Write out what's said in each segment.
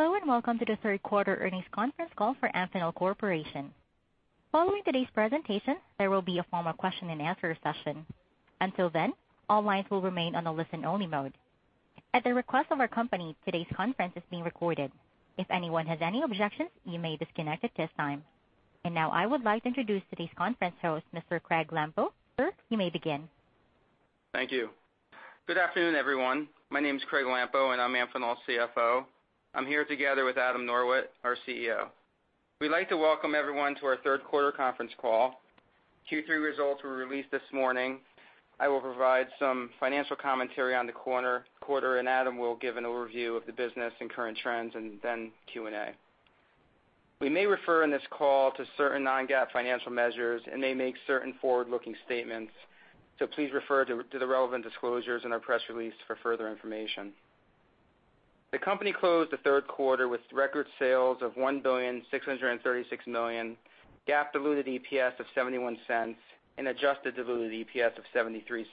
Hello, and welcome to the Q3 Earnings Conference Call for Amphenol Corporation. Following today's presentation, there will be a formal Q&A session. Until then, all lines will remain on the listen-only mode. At the request of our company, today's conference is being recorded. If anyone has any objections, you may disconnect at this time. And now, I would like to introduce today's conference host, Mr. Craig Lampo. Sir, you may begin. Thank you. Good afternoon, everyone. My name is Craig Lampo, and I'm Amphenol's CFO. I'm here together with Adam Norwitt, our CEO. We'd like to welcome everyone to our Q3 Conference Call. Q3 results were released this morning. I will provide some financial commentary on the quarter, and Adam will give an overview of the business and current trends, and then Q&A. We may refer in this call to certain non-GAAP financial measures and may make certain forward-looking statements. Please refer to the relevant disclosures in our press release for further information. The company closed the Q3 with record sales of $1,636 million, GAAP diluted EPS of $0.71, and adjusted diluted EPS of $0.73.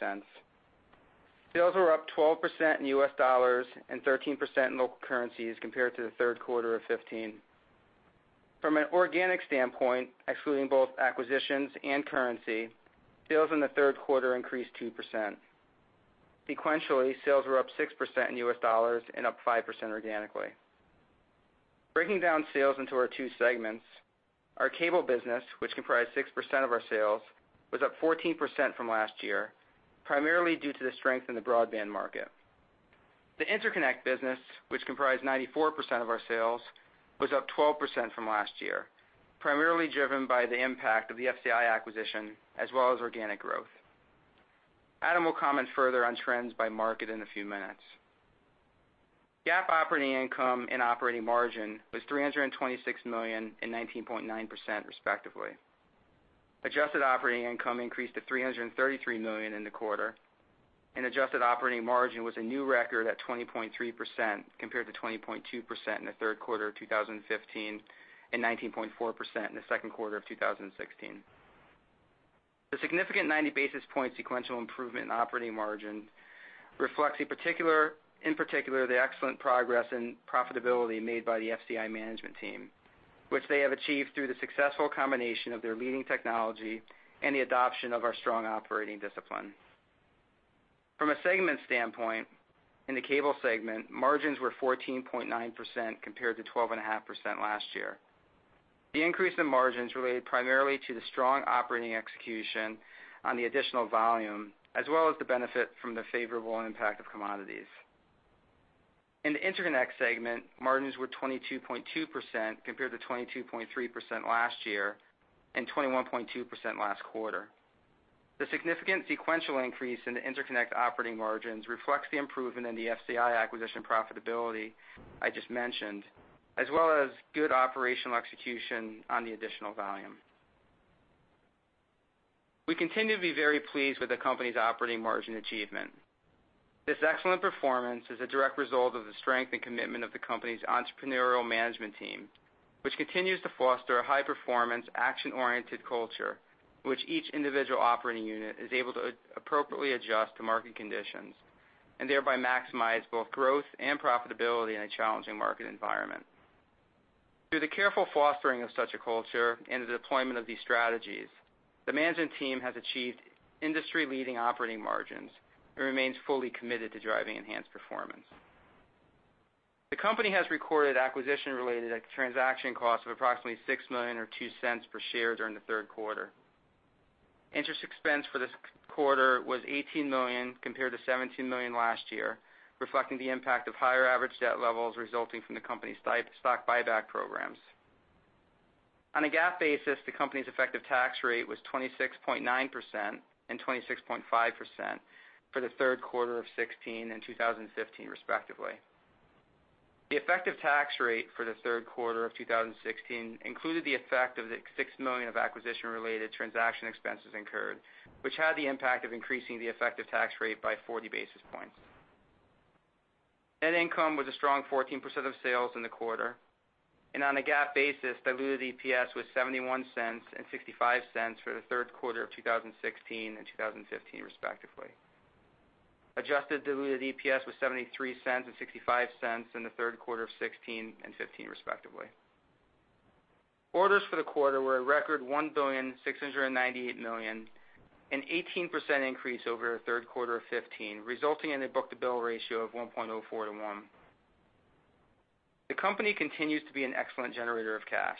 Sales were up 12% in U.S. dollars and 13% in local currencies compared to the Q3 of 2015. From an organic standpoint, excluding both acquisitions and currency, sales in the Q3 increased 2%. Sequentially, sales were up 6% in U.S. dollars and up 5% organically. Breaking down sales into our two segments, our cable business, which comprised 6% of our sales, was up 14% from last year, primarily due to the strength in the broadband market. The interconnect business, which comprised 94% of our sales, was up 12% from last year, primarily driven by the impact of the FCI acquisition as well as organic growth. Adam will comment further on trends by market in a few minutes. GAAP operating income and operating margin was $326 million and 19.9%, respectively. Adjusted operating income increased to $333 million in the quarter, and adjusted operating margin was a new record at 20.3% compared to 20.2% in the Q3 of 2015 and 19.4% in the Q2 of 2016. The significant 90 basis point sequential improvement in operating margin reflects, in particular, the excellent progress in profitability made by the FCI management team, which they have achieved through the successful combination of their leading technology and the adoption of our strong operating discipline. From a segment standpoint, in the cable segment, margins were 14.9% compared to 12.5% last year. The increase in margins related primarily to the strong operating execution on the additional volume as well as the benefit from the favorable impact of commodities. In the interconnect segment, margins were 22.2% compared to 22.3% last year and 21.2% last quarter. The significant sequential increase in the interconnect operating margins reflects the improvement in the FCI acquisition profitability I just mentioned, as well as good operational execution on the additional volume. We continue to be very pleased with the company's operating margin achievement. This excellent performance is a direct result of the strength and commitment of the company's entrepreneurial management team, which continues to foster a high-performance, action-oriented culture in which each individual operating unit is able to appropriately adjust to market conditions and thereby maximize both growth and profitability in a challenging market environment. Through the careful fostering of such a culture and the deployment of these strategies, the management team has achieved industry-leading operating margins and remains fully committed to driving enhanced performance. The company has recorded acquisition-related transaction costs of approximately $6 million or $0.02 per share during the Q3. Interest expense for this quarter was $18 million compared to $17 million last year, reflecting the impact of higher average debt levels resulting from the company's stock buyback programs. On a GAAP basis, the company's effective tax rate was 26.9% and 26.5% for the Q3 of 2016 and 2015, respectively. The effective tax rate for the Q3 of 2016 included the effect of the $6 million of acquisition-related transaction expenses incurred, which had the impact of increasing the effective tax rate by 40 basis points. Net income was a strong 14% of sales in the quarter, and on a GAAP basis, diluted EPS was $0.71 and $0.65 for the Q3 of 2016 and 2015, respectively. Adjusted diluted EPS was $0.73 and $0.65 in the Q3 of 2016 and 2015, respectively. Orders for the quarter were a record $1,698 million, an 18% increase over the Q3 of 2015, resulting in a book-to-bill ratio of 1.04 to 1. The company continues to be an excellent generator of cash.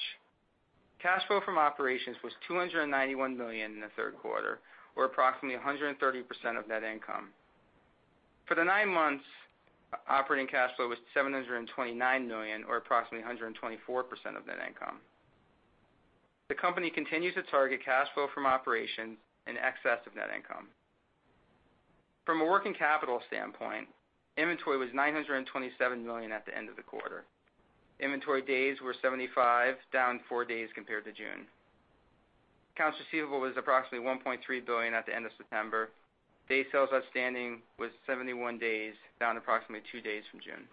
Cash flow from operations was $291 million in the Q3, or approximately 130% of net income. For the nine months, operating cash flow was $729 million, or approximately 124% of net income. The company continues to target cash flow from operations in excess of net income. From a working capital standpoint, inventory was $927 million at the end of the quarter. Inventory days were 75, down four days compared to June. Accounts receivable was approximately $1.3 billion at the end of September. Days Sales Outstanding was 71 days, down approximately two days from June.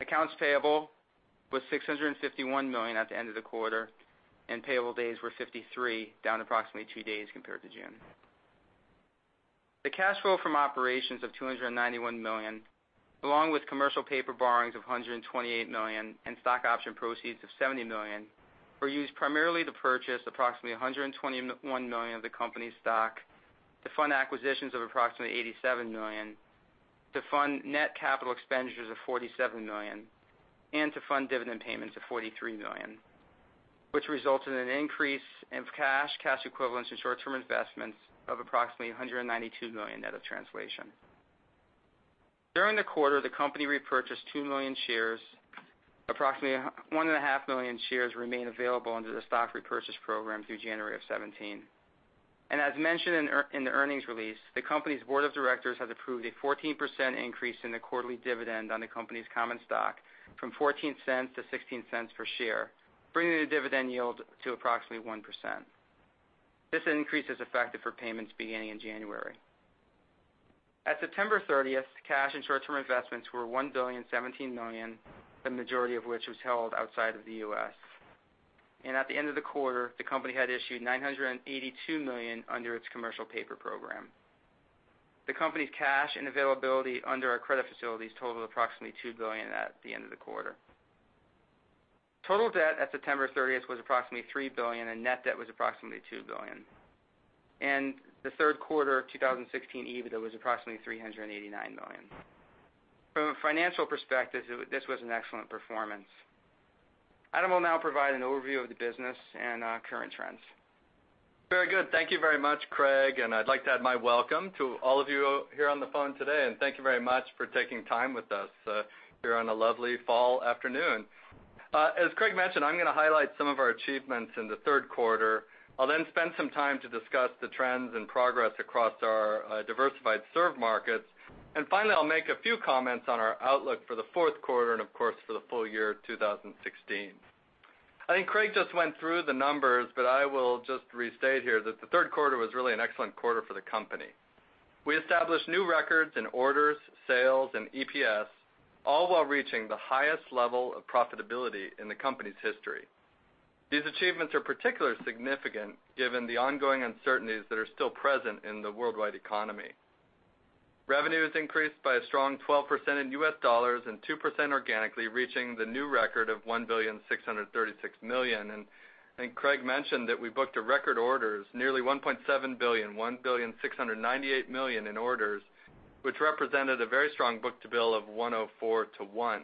Accounts payable was $651 million at the end of the quarter, and payable days were 53, down approximately two days compared to June. The cash flow from operations of $291 million, along with commercial paper borrowings of $128 million and stock option proceeds of $70 million, were used primarily to purchase approximately $121 million of the company's stock, to fund acquisitions of approximately $87 million, to fund net capital expenditures of $47 million, and to fund dividend payments of $43 million, which resulted in an increase in cash, cash equivalents, and short-term investments of approximately $192 million net of translation. During the quarter, the company repurchased two million shares. Approximately 1.5 million shares remain available under the stock repurchase program through January of 2017. As mentioned in the earnings release, the company's board of directors has approved a 14% increase in the quarterly dividend on the company's common stock from $0.14 to $0.16 per share, bringing the dividend yield to approximately 1%. This increase is effective for payments beginning in January. At September 30th, cash and short-term investments were $1,017 million, the majority of which was held outside of the U.S. At the end of the quarter, the company had issued $982 million under its commercial paper program. The company's cash and availability under our credit facilities totaled approximately $2 billion at the end of the quarter. Total debt at September 30th was approximately $3 billion, and net debt was approximately $2 billion. The Q3 of 2016 EBITDA was approximately $389 million. From a financial perspective, this was an excellent performance. Adam will now provide an overview of the business and current trends. Very good. Thank you very much, Craig. I'd like to add my welcome to all of you here on the phone today. Thank you very much for taking time with us here on a lovely fall afternoon. As Craig mentioned, I'm going to highlight some of our achievements in the Q3. I'll then spend some time to discuss the trends and progress across our diversified served markets. Finally, I'll make a few comments on our outlook for the Q4 and, of course, for the full year of 2016. I think Craig just went through the numbers, but I will just restate here that the Q3 was really an excellent quarter for the company. We established new records in orders, sales, and EPS, all while reaching the highest level of profitability in the company's history. These achievements are particularly significant given the ongoing uncertainties that are still present in the worldwide economy. Revenue has increased by a strong 12% in U.S. dollars and 2% organically, reaching the new record of $1,636 million. And I think Craig mentioned that we booked a record orders, nearly $1.7 billion, $1,698 million in orders, which represented a very strong book-to-bill of 1.04 to 1.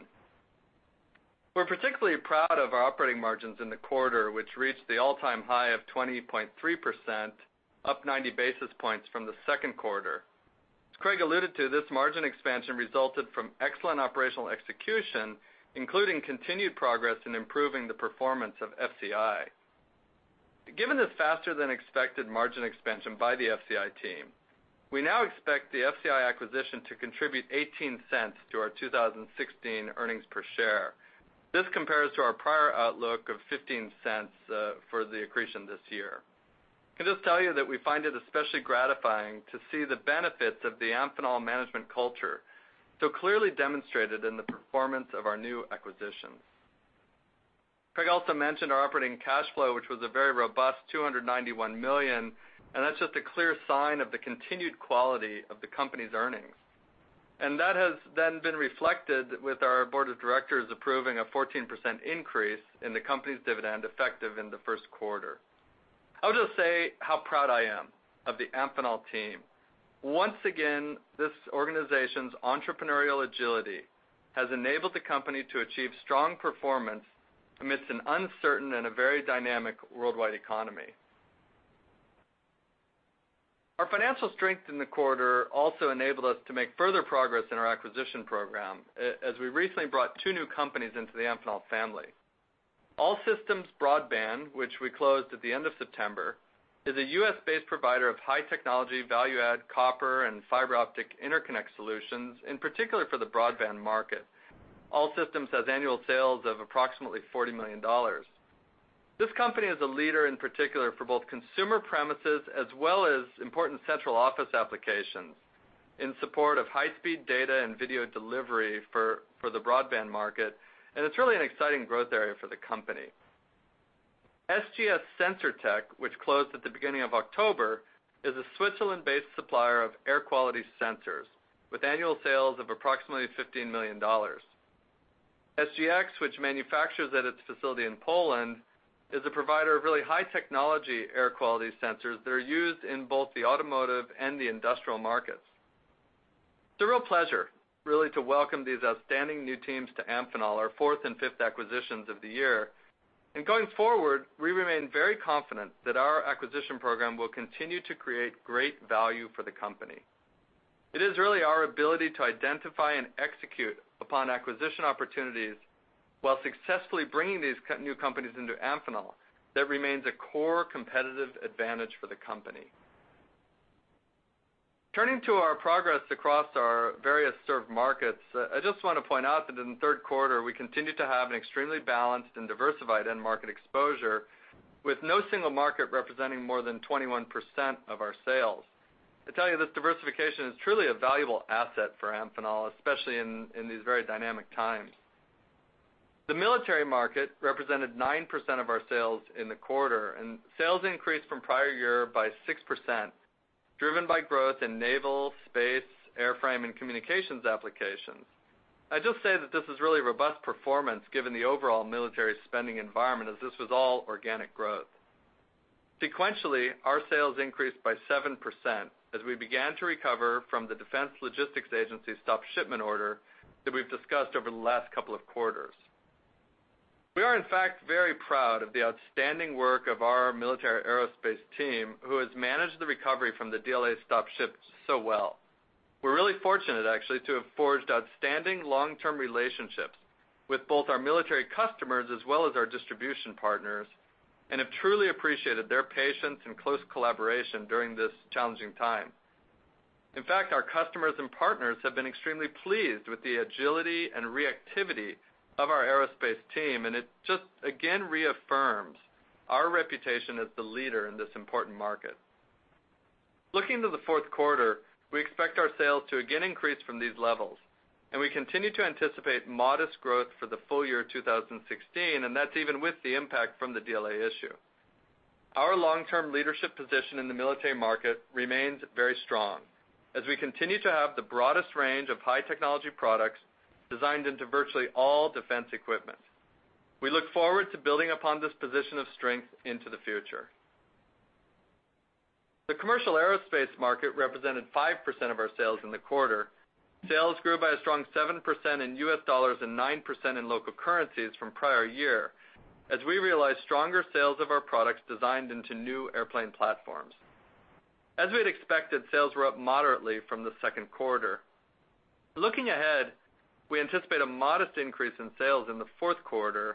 We're particularly proud of our operating margins in the quarter, which reached the all-time high of 20.3%, up 90 basis points from the Q2. As Craig alluded to, this margin expansion resulted from excellent operational execution, including continued progress in improving the performance of FCI. Given this faster-than-expected margin expansion by the FCI team, we now expect the FCI acquisition to contribute $0.18 to our 2016 earnings per share. This compares to our prior outlook of $0.15 for the accretion this year. I can just tell you that we find it especially gratifying to see the benefits of the Amphenol management culture so clearly demonstrated in the performance of our new acquisitions. Craig also mentioned our operating cash flow, which was a very robust $291 million, and that's just a clear sign of the continued quality of the company's earnings. That has then been reflected with our board of directors approving a 14% increase in the company's dividend effective in the Q1. I'll just say how proud I am of the Amphenol team. Once again, this organization's entrepreneurial agility has enabled the company to achieve strong performance amidst an uncertain and a very dynamic worldwide economy. Our financial strength in the quarter also enabled us to make further progress in our acquisition program as we recently brought two new companies into the Amphenol family. All Systems Broadband, which we closed at the end of September, is a U.S.-based provider of high-technology value-add copper and fiber optic interconnect solutions, in particular for the broadband market. All Systems has annual sales of approximately $40 million. This company is a leader in particular for both consumer premises as well as important central office applications in support of high-speed data and video delivery for the broadband market, and it's really an exciting growth area for the company. SGX Sensortech, which closed at the beginning of October, is a Switzerland-based supplier of air quality sensors with annual sales of approximately $15 million. SGX, which manufactures at its facility in Poland, is a provider of really high-technology air quality sensors that are used in both the automotive and the industrial markets. It's a real pleasure, really, to welcome these outstanding new teams to Amphenol, our fourth and fifth acquisitions of the year. Going forward, we remain very confident that our acquisition program will continue to create great value for the company. It is really our ability to identify and execute upon acquisition opportunities while successfully bringing these new companies into Amphenol that remains a core competitive advantage for the company. Turning to our progress across our various served markets, I just want to point out that in the Q3, we continue to have an extremely balanced and diversified end market exposure with no single market representing more than 21% of our sales. I tell you, this diversification is truly a valuable asset for Amphenol, especially in these very dynamic times. The military market represented 9% of our sales in the quarter, and sales increased from prior year by 6%, driven by growth in naval, space, airframe, and communications applications. I just say that this is really robust performance given the overall military spending environment as this was all organic growth. Sequentially, our sales increased by 7% as we began to recover from the Defense Logistics Agency's stop shipment order that we've discussed over the last couple of quarters. We are, in fact, very proud of the outstanding work of our military aerospace team, who has managed the recovery from the DLA stop ship so well. We're really fortunate, actually, to have forged outstanding long-term relationships with both our military customers as well as our distribution partners and have truly appreciated their patience and close collaboration during this challenging time. In fact, our customers and partners have been extremely pleased with the agility and reactivity of our aerospace team, and it just again reaffirms our reputation as the leader in this important market. Looking to the Q4, we expect our sales to again increase from these levels, and we continue to anticipate modest growth for the full year of 2016, and that's even with the impact from the DLA issue. Our long-term leadership position in the military market remains very strong as we continue to have the broadest range of high-technology products designed into virtually all defense equipment. We look forward to building upon this position of strength into the future. The commercial aerospace market represented 5% of our sales in the quarter. Sales grew by a strong 7% in US dollars and 9% in local currencies from prior year as we realized stronger sales of our products designed into new airplane platforms. As we had expected, sales were up moderately from the Q2. Looking ahead, we anticipate a modest increase in sales in the Q4,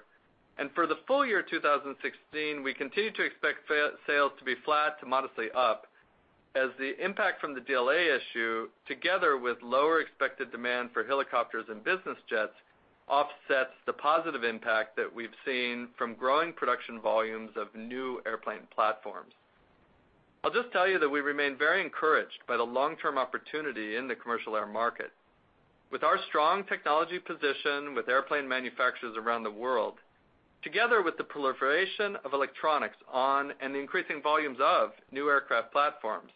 and for the full year of 2016, we continue to expect sales to be flat to modestly up as the impact from the DLA issue, together with lower expected demand for helicopters and business jets, offsets the positive impact that we've seen from growing production volumes of new airplane platforms. I'll just tell you that we remain very encouraged by the long-term opportunity in the commercial air market. With our strong technology position with airplane manufacturers around the world, together with the proliferation of electronics on and the increasing volumes of new aircraft platforms,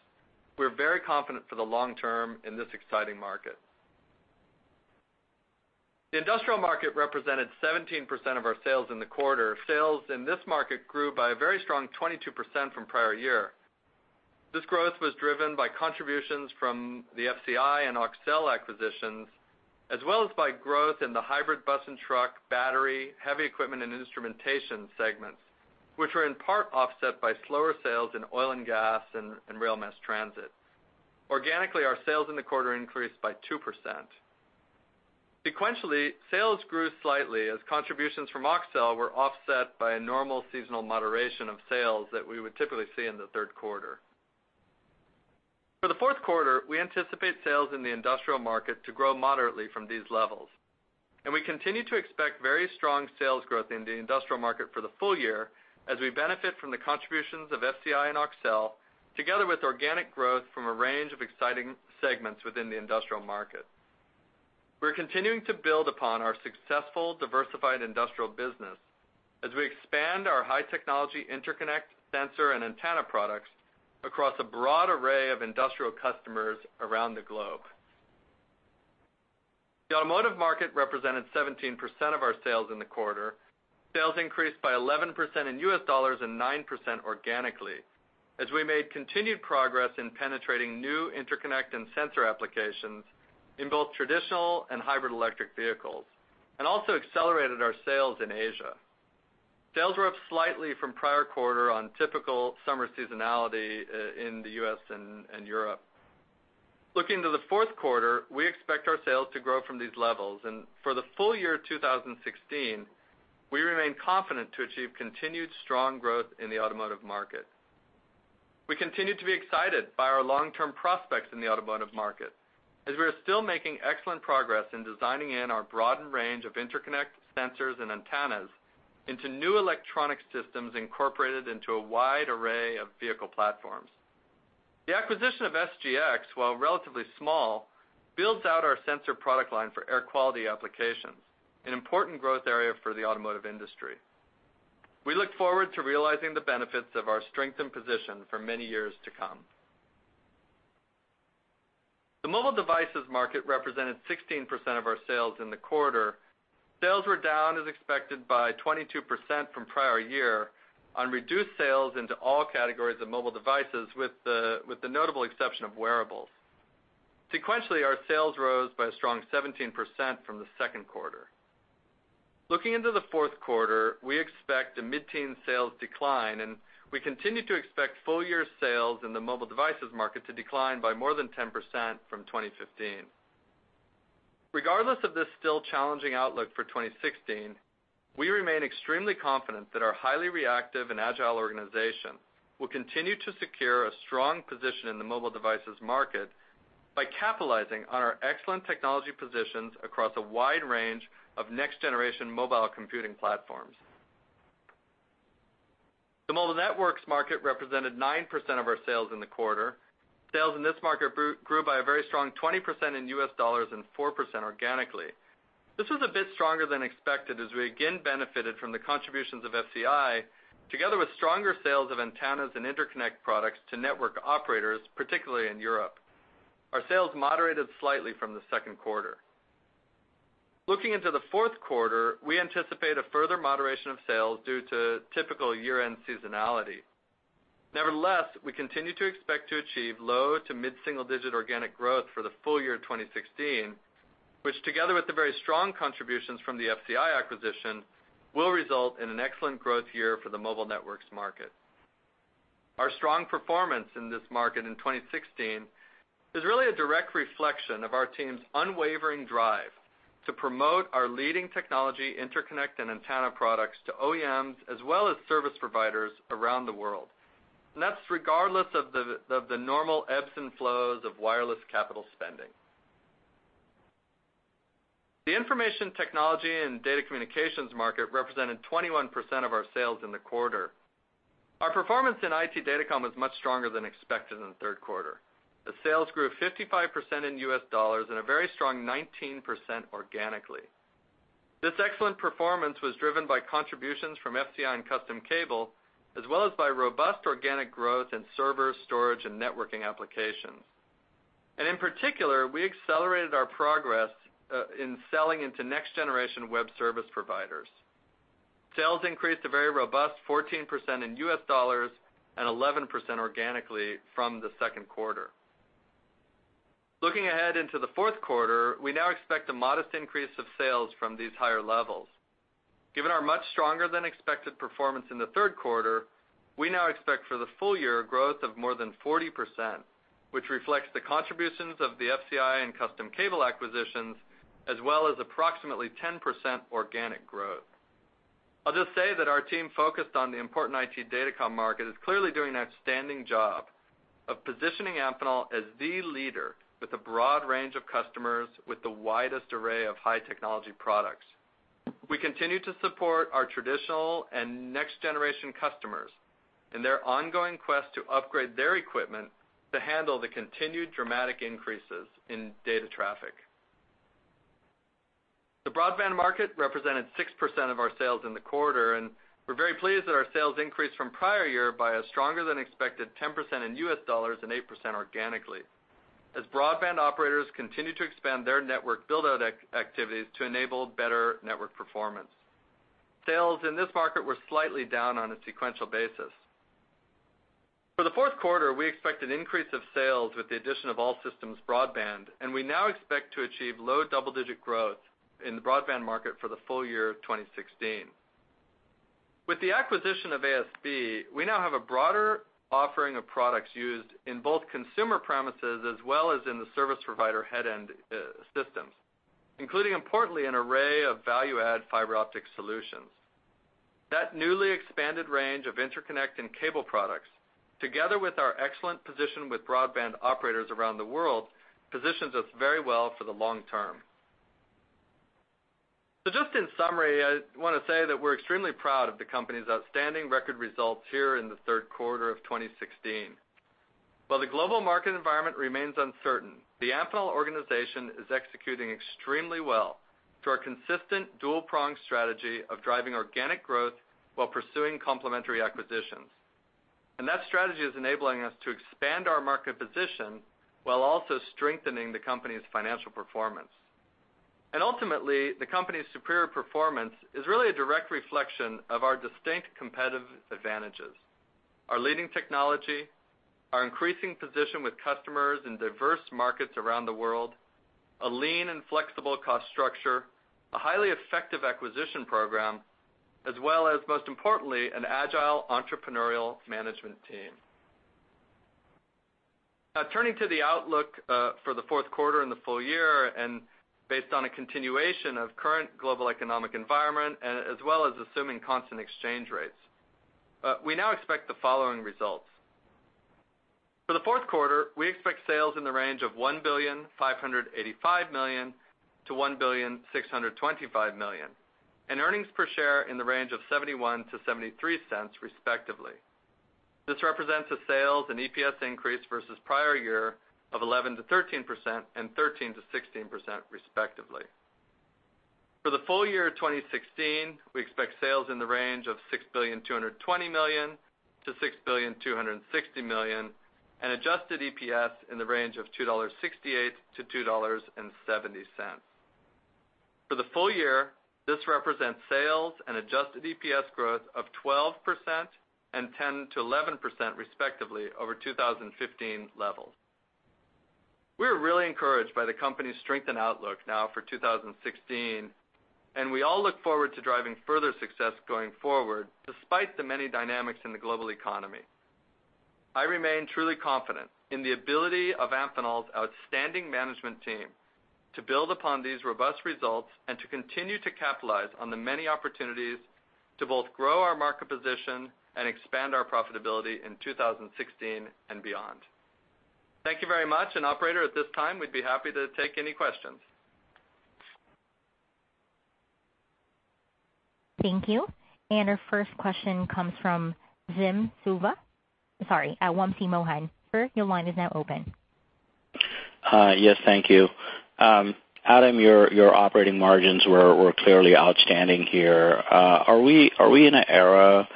we're very confident for the long term in this exciting market. The industrial market represented 17% of our sales in the quarter. Sales in this market grew by a very strong 22% from prior year. This growth was driven by contributions from the FCI and Auxel acquisitions, as well as by growth in the hybrid bus and truck, battery, heavy equipment, and instrumentation segments, which were in part offset by slower sales in oil and gas and rail mass transit. Organically, our sales in the quarter increased by 2%. Sequentially, sales grew slightly as contributions from Auxel were offset by a normal seasonal moderation of sales that we would typically see in the Q3. For the Q4, we anticipate sales in the industrial market to grow moderately from these levels, and we continue to expect very strong sales growth in the industrial market for the full year as we benefit from the contributions of FCI and Auxel, together with organic growth from a range of exciting segments within the industrial market. We're continuing to build upon our successful diversified industrial business as we expand our high-technology interconnect sensor and antenna products across a broad array of industrial customers around the globe. The automotive market represented 17% of our sales in the quarter. Sales increased by 11% in U.S. dollars and 9% organically as we made continued progress in penetrating new interconnect and sensor applications in both traditional and hybrid electric vehicles and also accelerated our sales in Asia. Sales were up slightly from prior quarter on typical summer seasonality in the U.S. and Europe. Looking to the Q4, we expect our sales to grow from these levels, and for the full year of 2016, we remain confident to achieve continued strong growth in the automotive market. We continue to be excited by our long-term prospects in the automotive market as we are still making excellent progress in designing our broadened range of interconnect sensors and antennas into new electronic systems incorporated into a wide array of vehicle platforms. The acquisition of SGX, while relatively small, builds out our sensor product line for air quality applications, an important growth area for the automotive industry. We look forward to realizing the benefits of our strengthened position for many years to come. The mobile devices market represented 16% of our sales in the quarter. Sales were down, as expected, by 22% from prior year on reduced sales into all categories of mobile devices, with the notable exception of wearables. Sequentially, our sales rose by a strong 17% from the Q2. Looking into the Q4, we expect a mid-teen sales decline, and we continue to expect full year sales in the mobile devices market to decline by more than 10% from 2015. Regardless of this still challenging outlook for 2016, we remain extremely confident that our highly reactive and agile organization will continue to secure a strong position in the mobile devices market by capitalizing on our excellent technology positions across a wide range of next-generation mobile computing platforms. The mobile networks market represented 9% of our sales in the quarter. Sales in this market grew by a very strong 20% in US dollars and 4% organically. This was a bit stronger than expected as we again benefited from the contributions of FCI, together with stronger sales of antennas and interconnect products to network operators, particularly in Europe. Our sales moderated slightly from the Q2. Looking into the Q4, we anticipate a further moderation of sales due to typical year-end seasonality. Nevertheless, we continue to expect to achieve low to mid-single-digit organic growth for the full year of 2016, which, together with the very strong contributions from the FCI acquisition, will result in an excellent growth year for the mobile networks market. Our strong performance in this market in 2016 is really a direct reflection of our team's unwavering drive to promote our leading technology interconnect and antenna products to OEMs as well as service providers around the world, and that's regardless of the normal ebbs and flows of wireless capital spending. The information technology and data communications market represented 21% of our sales in the quarter. Our performance in IT datacom was much stronger than expected in the Q3. The sales grew 55% in U.S. dollars and a very strong 19% organically. This excellent performance was driven by contributions from FCI and Custom Cable, as well as by robust organic growth in server, storage, and networking applications. And in particular, we accelerated our progress in selling into next-generation web service providers. Sales increased a very robust 14% in U.S. dollars and 11% organically from the Q2. Looking ahead into the Q4, we now expect a modest increase of sales from these higher levels. Given our much stronger than expected performance in the Q3, we now expect for the full year growth of more than 40%, which reflects the contributions of the FCI and Custom Cable acquisitions as well as approximately 10% organic growth. I'll just say that our team focused on the important IT datacom market is clearly doing an outstanding job of positioning Amphenol as the leader with a broad range of customers with the widest array of high-technology products. We continue to support our traditional and next-generation customers in their ongoing quest to upgrade their equipment to handle the continued dramatic increases in data traffic. The broadband market represented 6% of our sales in the quarter, and we're very pleased that our sales increased from prior year by a stronger than expected 10% in U.S. dollars and 8% organically as broadband operators continue to expand their network build-out activities to enable better network performance. Sales in this market were slightly down on a sequential basis. For the Q4, we expect an increase of sales with the addition of All Systems Broadband, and we now expect to achieve low double-digit growth in the broadband market for the full year of 2016. With the acquisition of ASB, we now have a broader offering of products used in both consumer premises as well as in the service provider head-end systems, including importantly an array of value-add fiber optic solutions. That newly expanded range of interconnect and cable products, together with our excellent position with broadband operators around the world, positions us very well for the long term. So just in summary, I want to say that we're extremely proud of the company's outstanding record results here in the Q3 of 2016. While the global market environment remains uncertain, the Amphenol organization is executing extremely well through our consistent dual-prong strategy of driving organic growth while pursuing complementary acquisitions, and that strategy is enabling us to expand our market position while also strengthening the company's financial performance. And ultimately, the company's superior performance is really a direct reflection of our distinct competitive advantages: our leading technology, our increasing position with customers in diverse markets around the world, a lean and flexible cost structure, a highly effective acquisition program, as well as, most importantly, an agile entrepreneurial management team. Now turning to the outlook for the Q4 and the full year, and based on a continuation of the current global economic environment as well as assuming constant exchange rates, we now expect the following results. For the Q4, we expect sales in the range of $1,585 million-$1,625 million and earnings per share in the range of $0.71-$0.73, respectively. This represents a sales and EPS increase versus prior year of 11%-13% and 13%-16%, respectively. For the full year of 2016, we expect sales in the range of $6,220 million-$6,260 million and adjusted EPS in the range of $2.68-$2.70. For the full year, this represents sales and adjusted EPS growth of 12% and 10%-11%, respectively, over 2015 levels. We're really encouraged by the company's strengthened outlook now for 2016, and we all look forward to driving further success going forward despite the many dynamics in the global economy. I remain truly confident in the ability of Amphenol's outstanding management team to build upon these robust results and to continue to capitalize on the many opportunities to both grow our market position and expand our profitability in 2016 and beyond. Thank you very much, and Operator, at this time, we'd be happy to take any questions. Thank you. Our first question comes from Jim Suva, sorry, at SunTrust. Your line is now open. Yes, thank you. Adam, your operating margins were clearly outstanding here. Are we in an era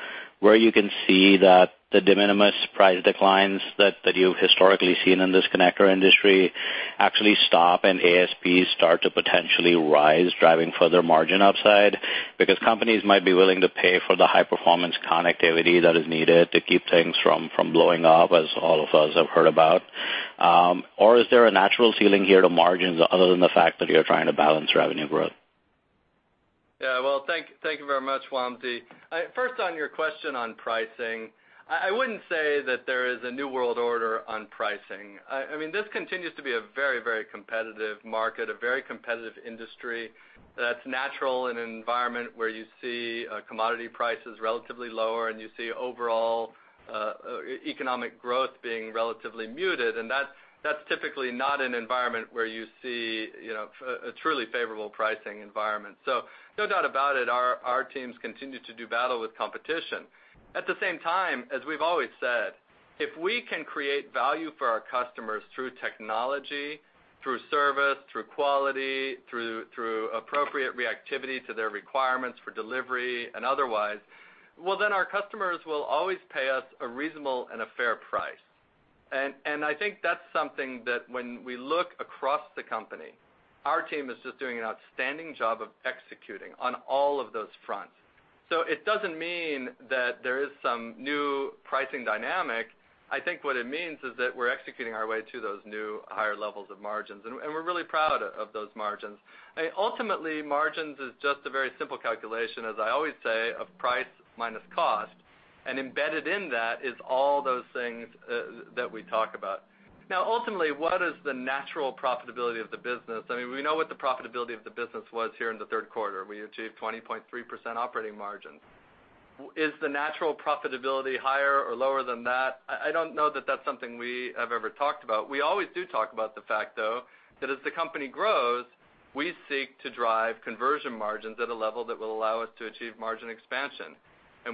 where you can see that the de minimis price declines that you've historically seen in this connector industry actually stop and ASPs start to potentially rise, driving further margin upside? Because companies might be willing to pay for the high-performance connectivity that is needed to keep things from blowing up, as all of us have heard about. Or is there a natural ceiling here to margins other than the fact that you're trying to balance revenue growth? Yeah, well, thank you very much, William. First, on your question on pricing, I wouldn't say that there is a new world order on pricing. I mean, this continues to be a very, very competitive market, a very competitive industry. That's natural in an environment where you see commodity prices relatively lower and you see overall economic growth being relatively muted, and that's typically not an environment where you see a truly favorable pricing environment. So no doubt about it, our teams continue to do battle with competition. At the same time, as we've always said, if we can create value for our customers through technology, through service, through quality, through appropriate reactivity to their requirements for delivery and otherwise, well, then our customers will always pay us a reasonable and a fair price. And I think that's something that when we look across the company, our team is just doing an outstanding job of executing on all of those fronts. So it doesn't mean that there is some new pricing dynamic. I think what it means is that we're executing our way to those new higher levels of margins, and we're really proud of those margins. Ultimately, margins is just a very simple calculation, as I always say, of price minus cost, and embedded in that is all those things that we talk about. Now, ultimately, what is the natural profitability of the business? I mean, we know what the profitability of the business was here in the Q3. We achieved 20.3% operating margins. Is the natural profitability higher or lower than that? I don't know that that's something we have ever talked about. We always do talk about the fact, though, that as the company grows, we seek to drive conversion margins at a level that will allow us to achieve margin expansion.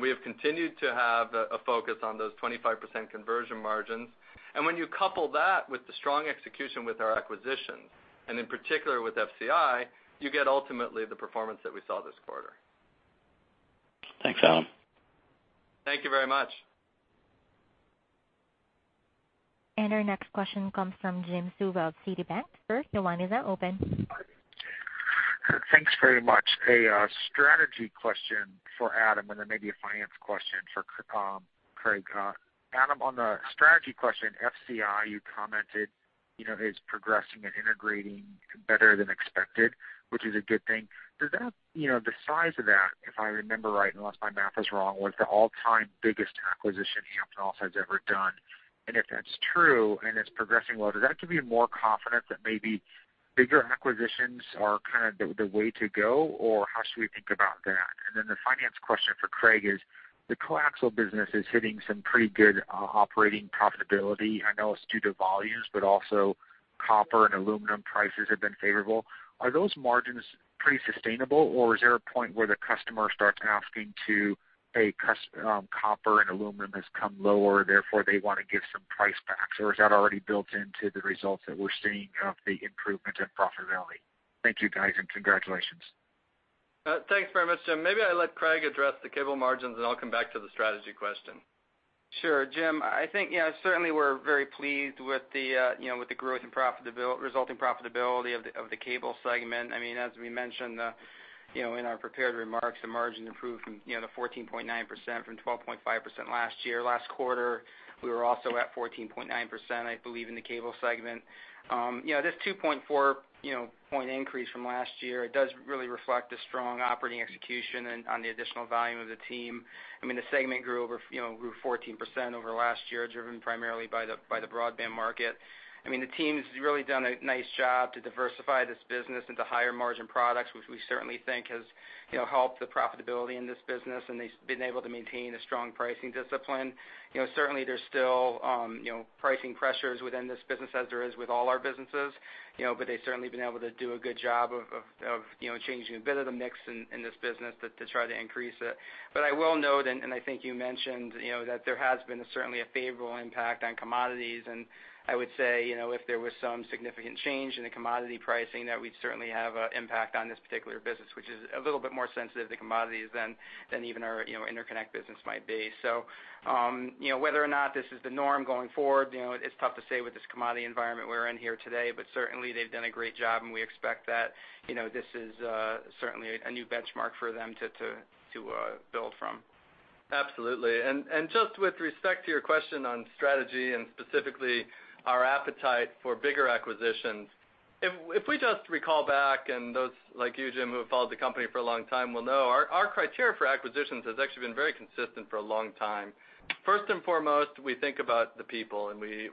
We have continued to have a focus on those 25% conversion margins. And when you couple that with the strong execution with our acquisitions, and in particular with FCI, you get ultimately the performance that we saw this quarter. Thanks, Adam. Thank you very much. And our next question comes from Jim Suva, Citibank. Your line is now open. Thanks very much. A strategy question for Adam, and then maybe a finance question for Craig. Adam, on the strategy question, FCI, you commented is progressing and integrating better than expected, which is a good thing. The size of that, if I remember right, unless my math is wrong, was the all-time biggest acquisition Amphenol has ever done. And if that's true and it's progressing well, does that give you more confidence that maybe bigger acquisitions are kind of the way to go, or how should we think about that? And then the finance question for Craig is the coaxial business is hitting some pretty good operating profitability. I know it's due to volumes, but also copper and aluminum prices have been favorable. Are those margins pretty sustainable, or is there a point where the customer starts asking to pay copper and aluminum has come lower, therefore they want to give some price back, or is that already built into the results that we're seeing of the improvement in profitability? Thank you, guys, and congratulations. Thanks very much, Jim. Maybe I'll let Craig address the cable margins, and I'll come back to the strategy question. Sure, Jim. I think, yeah, certainly we're very pleased with the growth and resulting profitability of the cable segment. I mean, as we mentioned in our prepared remarks, the margin improved from the 14.9% from 12.5% last year. Last quarter, we were also at 14.9%, I believe, in the cable segment. This 2.4-point increase from last year does really reflect a strong operating execution on the additional volume of the team. I mean, the segment grew 14% over last year, driven primarily by the broadband market. I mean, the team's really done a nice job to diversify this business into higher margin products, which we certainly think has helped the profitability in this business, and they've been able to maintain a strong pricing discipline. Certainly, there's still pricing pressures within this business as there is with all our businesses, but they've certainly been able to do a good job of changing a bit of the mix in this business to try to increase it. But I will note, and I think you mentioned, that there has been certainly a favorable impact on commodities, and I would say if there was some significant change in the commodity pricing, that we'd certainly have an impact on this particular business, which is a little bit more sensitive to commodities than even our interconnect business might be. So whether or not this is the norm going forward, it's tough to say with this commodity environment we're in here today, but certainly they've done a great job, and we expect that this is certainly a new benchmark for them to build from. Absolutely. And just with respect to your question on strategy and specifically our appetite for bigger acquisitions, if we just recall back, and those like you, Jim, who have followed the company for a long time will know, our criteria for acquisitions has actually been very consistent for a long time. First and foremost, we think about the people, and we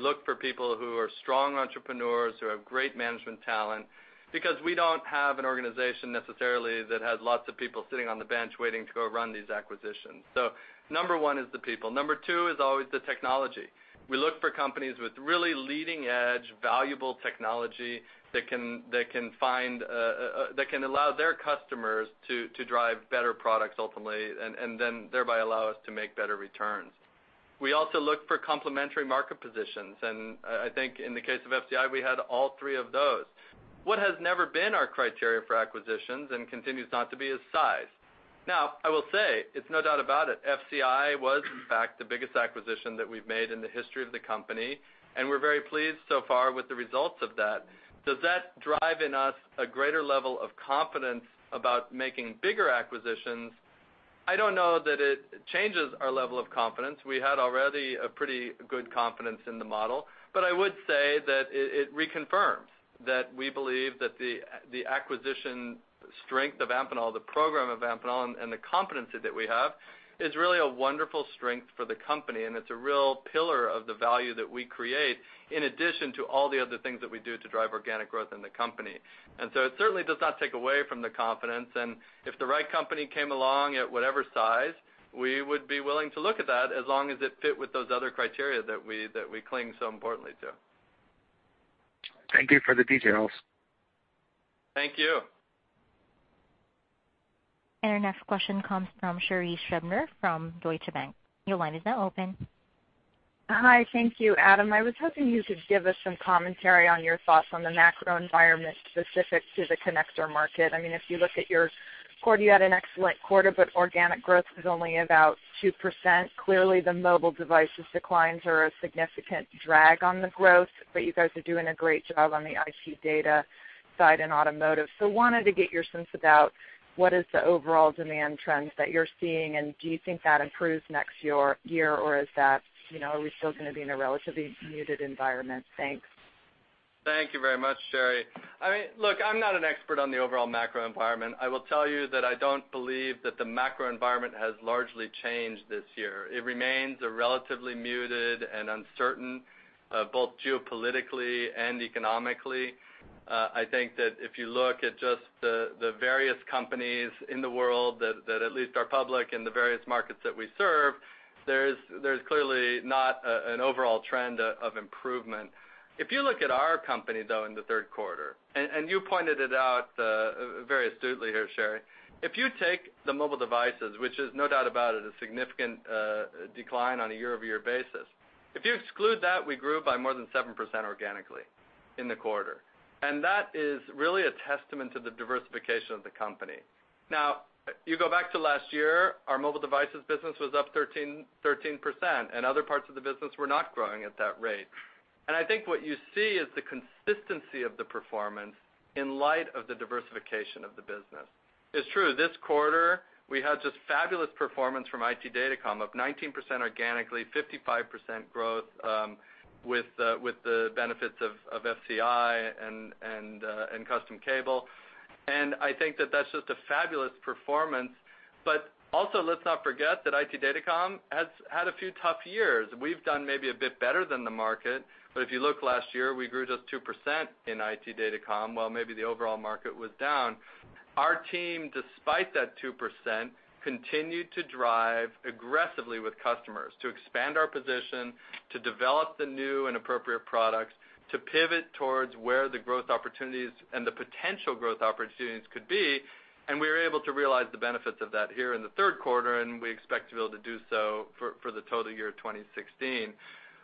look for people who are strong entrepreneurs who have great management talent because we don't have an organization necessarily that has lots of people sitting on the bench waiting to go run these acquisitions. So number one is the people. Number two is always the technology. We look for companies with really leading-edge, valuable technology that can allow their customers to drive better products ultimately and then thereby allow us to make better returns. We also look for complementary market positions, and I think in the case of FCI, we had all three of those. What has never been our criteria for acquisitions and continues not to be is size. Now, I will say, it's no doubt about it, FCI was, in fact, the biggest acquisition that we've made in the history of the company, and we're very pleased so far with the results of that. Does that drive in us a greater level of confidence about making bigger acquisitions? I don't know that it changes our level of confidence. We had already a pretty good confidence in the model, but I would say that it reconfirms that we believe that the acquisition strength of Amphenol, the program of Amphenol, and the competency that we have is really a wonderful strength for the company, and it's a real pillar of the value that we create in addition to all the other things that we do to drive organic growth in the company. So it certainly does not take away from the confidence, and if the right company came along at whatever size, we would be willing to look at that as long as it fit with those other criteria that we cling so importantly to. Thank you for the details. Thank you. And our next question comes from Sherri Scribner from Deutsche Bank. Your line is now open. Hi, thank you, Adam. I was hoping you could give us some commentary on your thoughts on the macro environment specific to the connector market. I mean, if you look at your quarter, you had an excellent quarter, but organic growth was only about 2%. Clearly, the mobile devices declines are a significant drag on the growth, but you guys are doing a great job on the IT data side in automotive. So wanted to get your sense about what is the overall demand trend that you're seeing, and do you think that improves next year, or are we still going to be in a relatively muted environment? Thanks. Thank you very much, Sherri. I mean, look, I'm not an expert on the overall macro environment. I will tell you that I don't believe that the macro environment has largely changed this year. It remains a relatively muted and uncertain, both geopolitically and economically. I think that if you look at just the various companies in the world that at least are public in the various markets that we serve, there's clearly not an overall trend of improvement. If you look at our company, though, in the Q3, and you pointed it out very astutely here, Sherri, if you take the mobile devices, which is no doubt about it a significant decline on a year-over-year basis, if you exclude that, we grew by more than 7% organically in the quarter. And that is really a testament to the diversification of the company. Now, you go back to last year, our mobile devices business was up 13%, and other parts of the business were not growing at that rate. And I think what you see is the consistency of the performance in light of the diversification of the business. It's true. This quarter, we had just fabulous performance from IT datacom, up 19% organically, 55% growth with the benefits of FCI and Custom Cable. And I think that that's just a fabulous performance. But also, let's not forget that IT datacom has had a few tough years. We've done maybe a bit better than the market, but if you look last year, we grew just 2% in IT datacom, while maybe the overall market was down. Our team, despite that 2%, continued to drive aggressively with customers to expand our position, to develop the new and appropriate products, to pivot towards where the growth opportunities and the potential growth opportunities could be, and we were able to realize the benefits of that here in the Q3, and we expect to be able to do so for the total year 2016.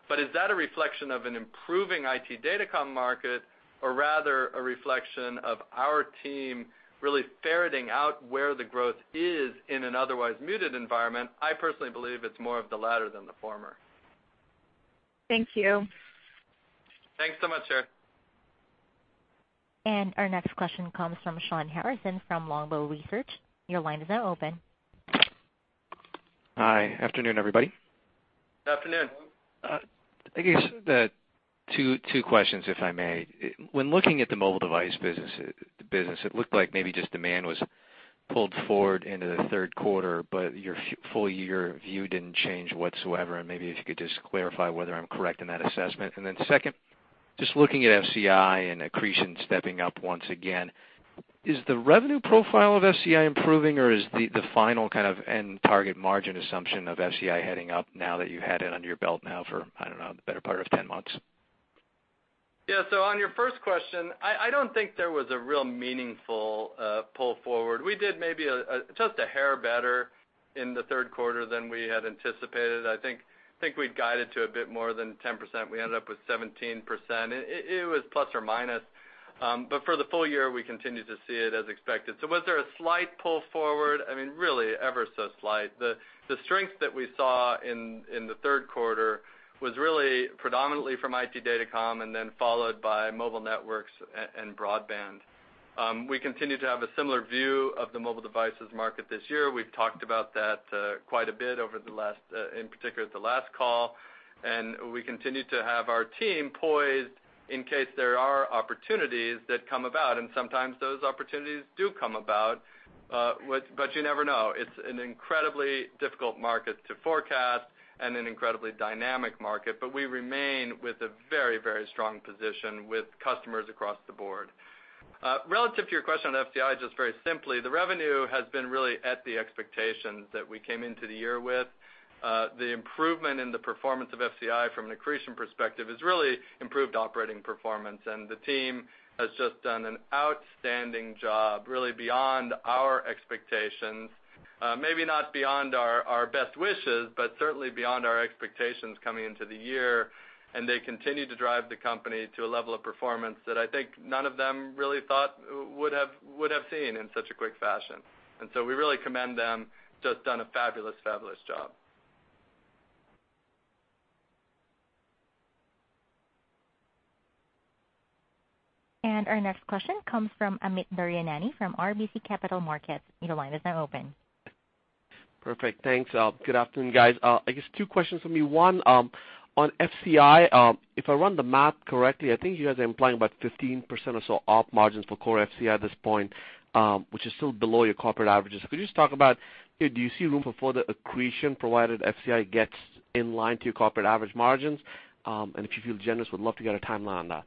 But is that a reflection of an improving IT datacom market, or rather a reflection of our team really ferreting out where the growth is in an otherwise muted environment? I personally believe it's more of the latter than the former. Thank you. Thanks so much, Sherri. And our next question comes from Shawn Harrison from Longbow Research. Your line is now open. Hi. Afternoon, everybody. Good afternoon. I guess two questions, if I may. When looking at the mobile device business, it looked like maybe just demand was pulled forward into the Q3, but your full year view didn't change whatsoever. And maybe if you could just clarify whether I'm correct in that assessment. And then second, just looking at FCI and accretion stepping up once again, is the revenue profile of FCI improving, or is the final kind of end target margin assumption of FCI heading up now that you've had it under your belt now for, I don't know, the better part of 10 months? Yeah. So on your first question, I don't think there was a real meaningful pull forward. We did maybe just a hair better in the Q3 than we had anticipated. I think we'd guided to a bit more than 10%. We ended up with 17%. It was plus or minus. But for the full year, we continued to see it as expected. So was there a slight pull forward? I mean, really, ever so slight. The strength that we saw in the Q3 was really predominantly from IT datacom and then followed by mobile networks and broadband. We continue to have a similar view of the mobile devices market this year. We've talked about that quite a bit over the last, in particular, the last call. We continue to have our team poised in case there are opportunities that come about, and sometimes those opportunities do come about. But you never know. It's an incredibly difficult market to forecast and an incredibly dynamic market, but we remain with a very, very strong position with customers across the board. Relative to your question on FCI, just very simply, the revenue has been really at the expectations that we came into the year with. The improvement in the performance of FCI from an accretion perspective has really improved operating performance, and the team has just done an outstanding job, really beyond our expectations. Maybe not beyond our best wishes, but certainly beyond our expectations coming into the year, and they continue to drive the company to a level of performance that I think none of them really thought would have seen in such a quick fashion. And so we really commend them. Just done a fabulous, fabulous job. And our next question comes from Amit Daryanani from RBC Capital Markets. Your line is now open. Perfect. Thanks, Adam. Good afternoon, guys. I guess two questions for me. One, on FCI, if I run the math correctly, I think you guys are implying about 15% or so up margins for core FCI at this point, which is still below your corporate averages. Could you just talk about, do you see room for further accretion provided FCI gets in line to your corporate average margins? And if you feel generous, we'd love to get a timeline on that.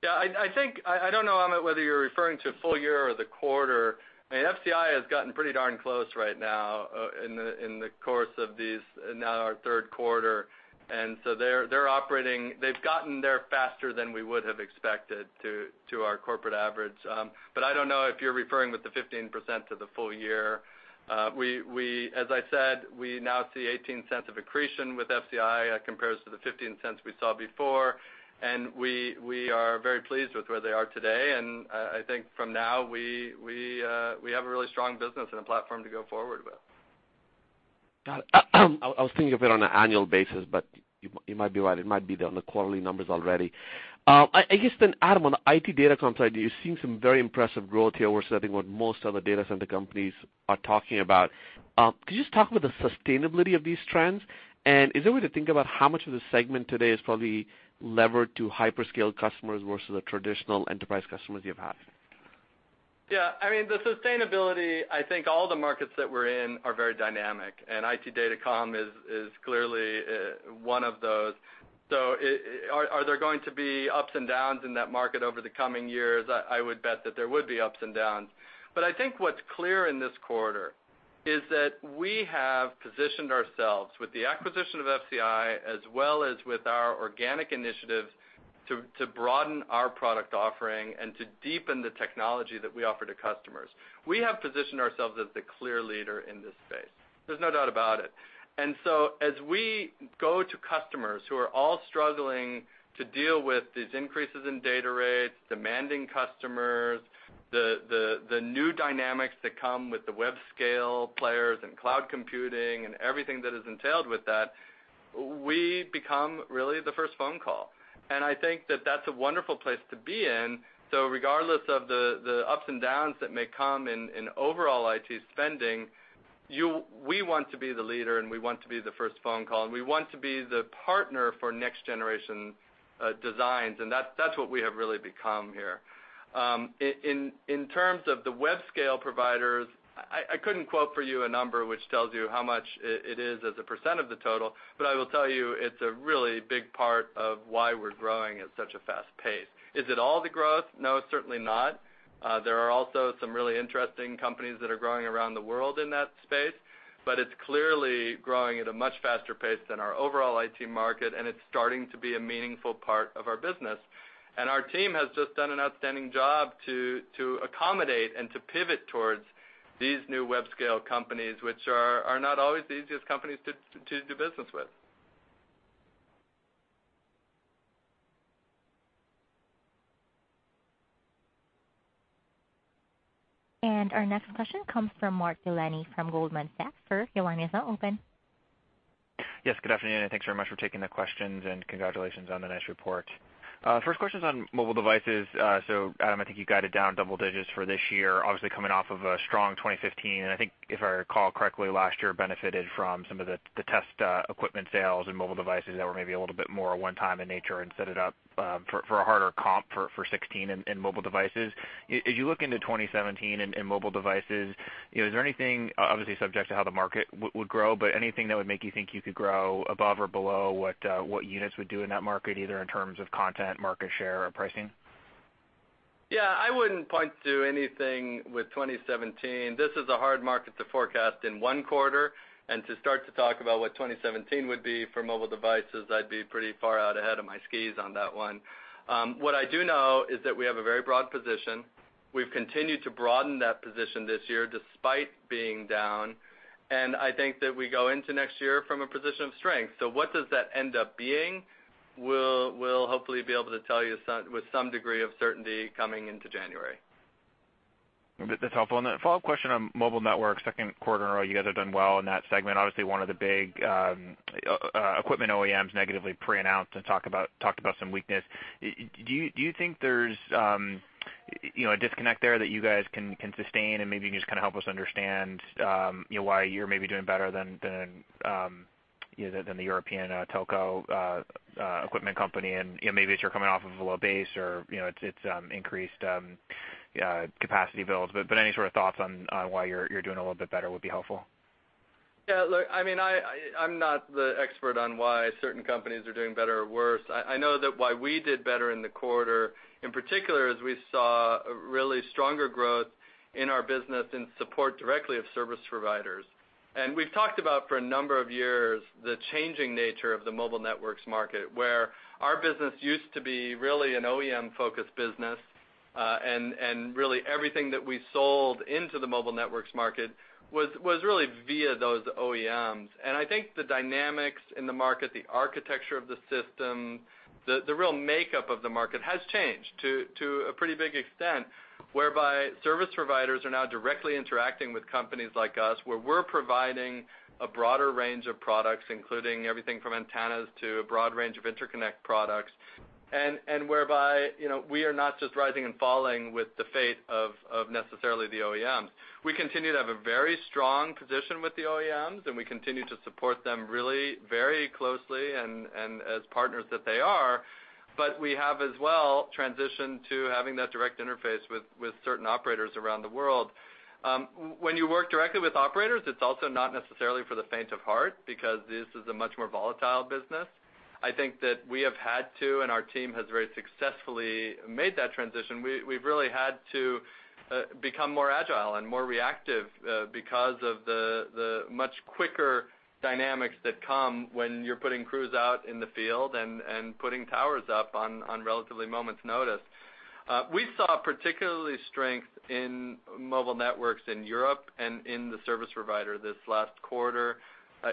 Yeah. I don't know, Amit, whether you're referring to full year or the quarter. I mean, FCI has gotten pretty darn close right now in the course of these, now our Q3. And so they're operating, they've gotten there faster than we would have expected to our corporate average. But I don't know if you're referring with the 15 cents to the full year. As I said, we now see $0.18 of accretion with FCI compared to the $0.15 we saw before, and we are very pleased with where they are today. And I think from now, we have a really strong business and a platform to go forward with. Got it. I was thinking of it on an annual basis, but you might be right. It might be on the quarterly numbers already. I guess then, Adam, on the IT DataCom side, you're seeing some very impressive growth here, which I think what most other data center companies are talking about. Could you just talk about the sustainability of these trends? And is there a way to think about how much of the segment today is probably levered to hyperscale customers versus the traditional enterprise customers you've had? Yeah. I mean, the sustainability, I think all the markets that we're in are very dynamic, and IT DataCom is clearly one of those. So are there going to be ups and downs in that market over the coming years? I would bet that there would be ups and downs. But I think what's clear in this quarter is that we have positioned ourselves with the acquisition of FCI as well as with our organic initiatives to broaden our product offering and to deepen the technology that we offer to customers. We have positioned ourselves as the clear leader in this space. There's no doubt about it. And so as we go to customers who are all struggling to deal with these increases in data rates, demanding customers, the new dynamics that come with the web scale players and cloud computing and everything that is entailed with that, we become really the first phone call. And I think that that's a wonderful place to be in. Regardless of the ups and downs that may come in overall IT spending, we want to be the leader, and we want to be the first phone call, and we want to be the partner for next-generation designs. That's what we have really become here. In terms of the web scale providers, I couldn't quote for you a number which tells you how much it is as a percent of the total, but I will tell you it's a really big part of why we're growing at such a fast pace. Is it all the growth? No, certainly not. There are also some really interesting companies that are growing around the world in that space, but it's clearly growing at a much faster pace than our overall IT market, and it's starting to be a meaningful part of our business. And our team has just done an outstanding job to accommodate and to pivot towards these new web scale companies, which are not always the easiest companies to do business with. And our next question comes from Mark Delaney from Goldman Sachs. Your line is now open. Yes. Good afternoon, and thanks very much for taking the questions, and congratulations on the nice report. First question is on mobile devices. So, Adam, I think you guided down double digits for this year, obviously coming off of a strong 2015. And I think, if I recall correctly, last year benefited from some of the test equipment sales and mobile devices that were maybe a little bit more one-time in nature and set it up for a harder comp for 2016 in mobile devices. As you look into 2017 in mobile devices, is there anything, obviously subject to how the market would grow, but anything that would make you think you could grow above or below what units would do in that market, either in terms of content, market share, or pricing? Yeah. I wouldn't point to anything with 2017. This is a hard market to forecast in one quarter. And to start to talk about what 2017 would be for mobile devices, I'd be pretty far out ahead of my skis on that one. What I do know is that we have a very broad position. We've continued to broaden that position this year despite being down. And I think that we go into next year from a position of strength. So what does that end up being? We'll hopefully be able to tell you with some degree of certainty coming into January. That's helpful. And then follow-up question on mobile networks. Q2 in a row, you guys have done well in that segment. Obviously, one of the big equipment OEMs negatively pre-announced and talked about some weakness. Do you think there's a disconnect there that you guys can sustain and maybe just kind of help us understand why you're maybe doing better than the European telco equipment company? And maybe if you're coming off of a low base or it's increased capacity builds. But any sort of thoughts on why you're doing a little bit better would be helpful. Yeah. Look, I mean, I'm not the expert on why certain companies are doing better or worse. I know that why we did better in the quarter, in particular, is we saw really stronger growth in our business in support directly of service providers. We've talked about, for a number of years, the changing nature of the mobile networks market, where our business used to be really an OEM-focused business, and really everything that we sold into the mobile networks market was really via those OEMs. I think the dynamics in the market, the architecture of the system, the real makeup of the market has changed to a pretty big extent, whereby service providers are now directly interacting with companies like us, where we're providing a broader range of products, including everything from antennas to a broad range of interconnect products, and whereby we are not just rising and falling with the fate of necessarily the OEMs. We continue to have a very strong position with the OEMs, and we continue to support them really very closely and as partners that they are. But we have as well transitioned to having that direct interface with certain operators around the world. When you work directly with operators, it's also not necessarily for the faint of heart because this is a much more volatile business. I think that we have had to, and our team has very successfully made that transition. We've really had to become more agile and more reactive because of the much quicker dynamics that come when you're putting crews out in the field and putting towers up on relatively moments' notice. We saw particularly strength in mobile networks in Europe and in the service provider this last quarter.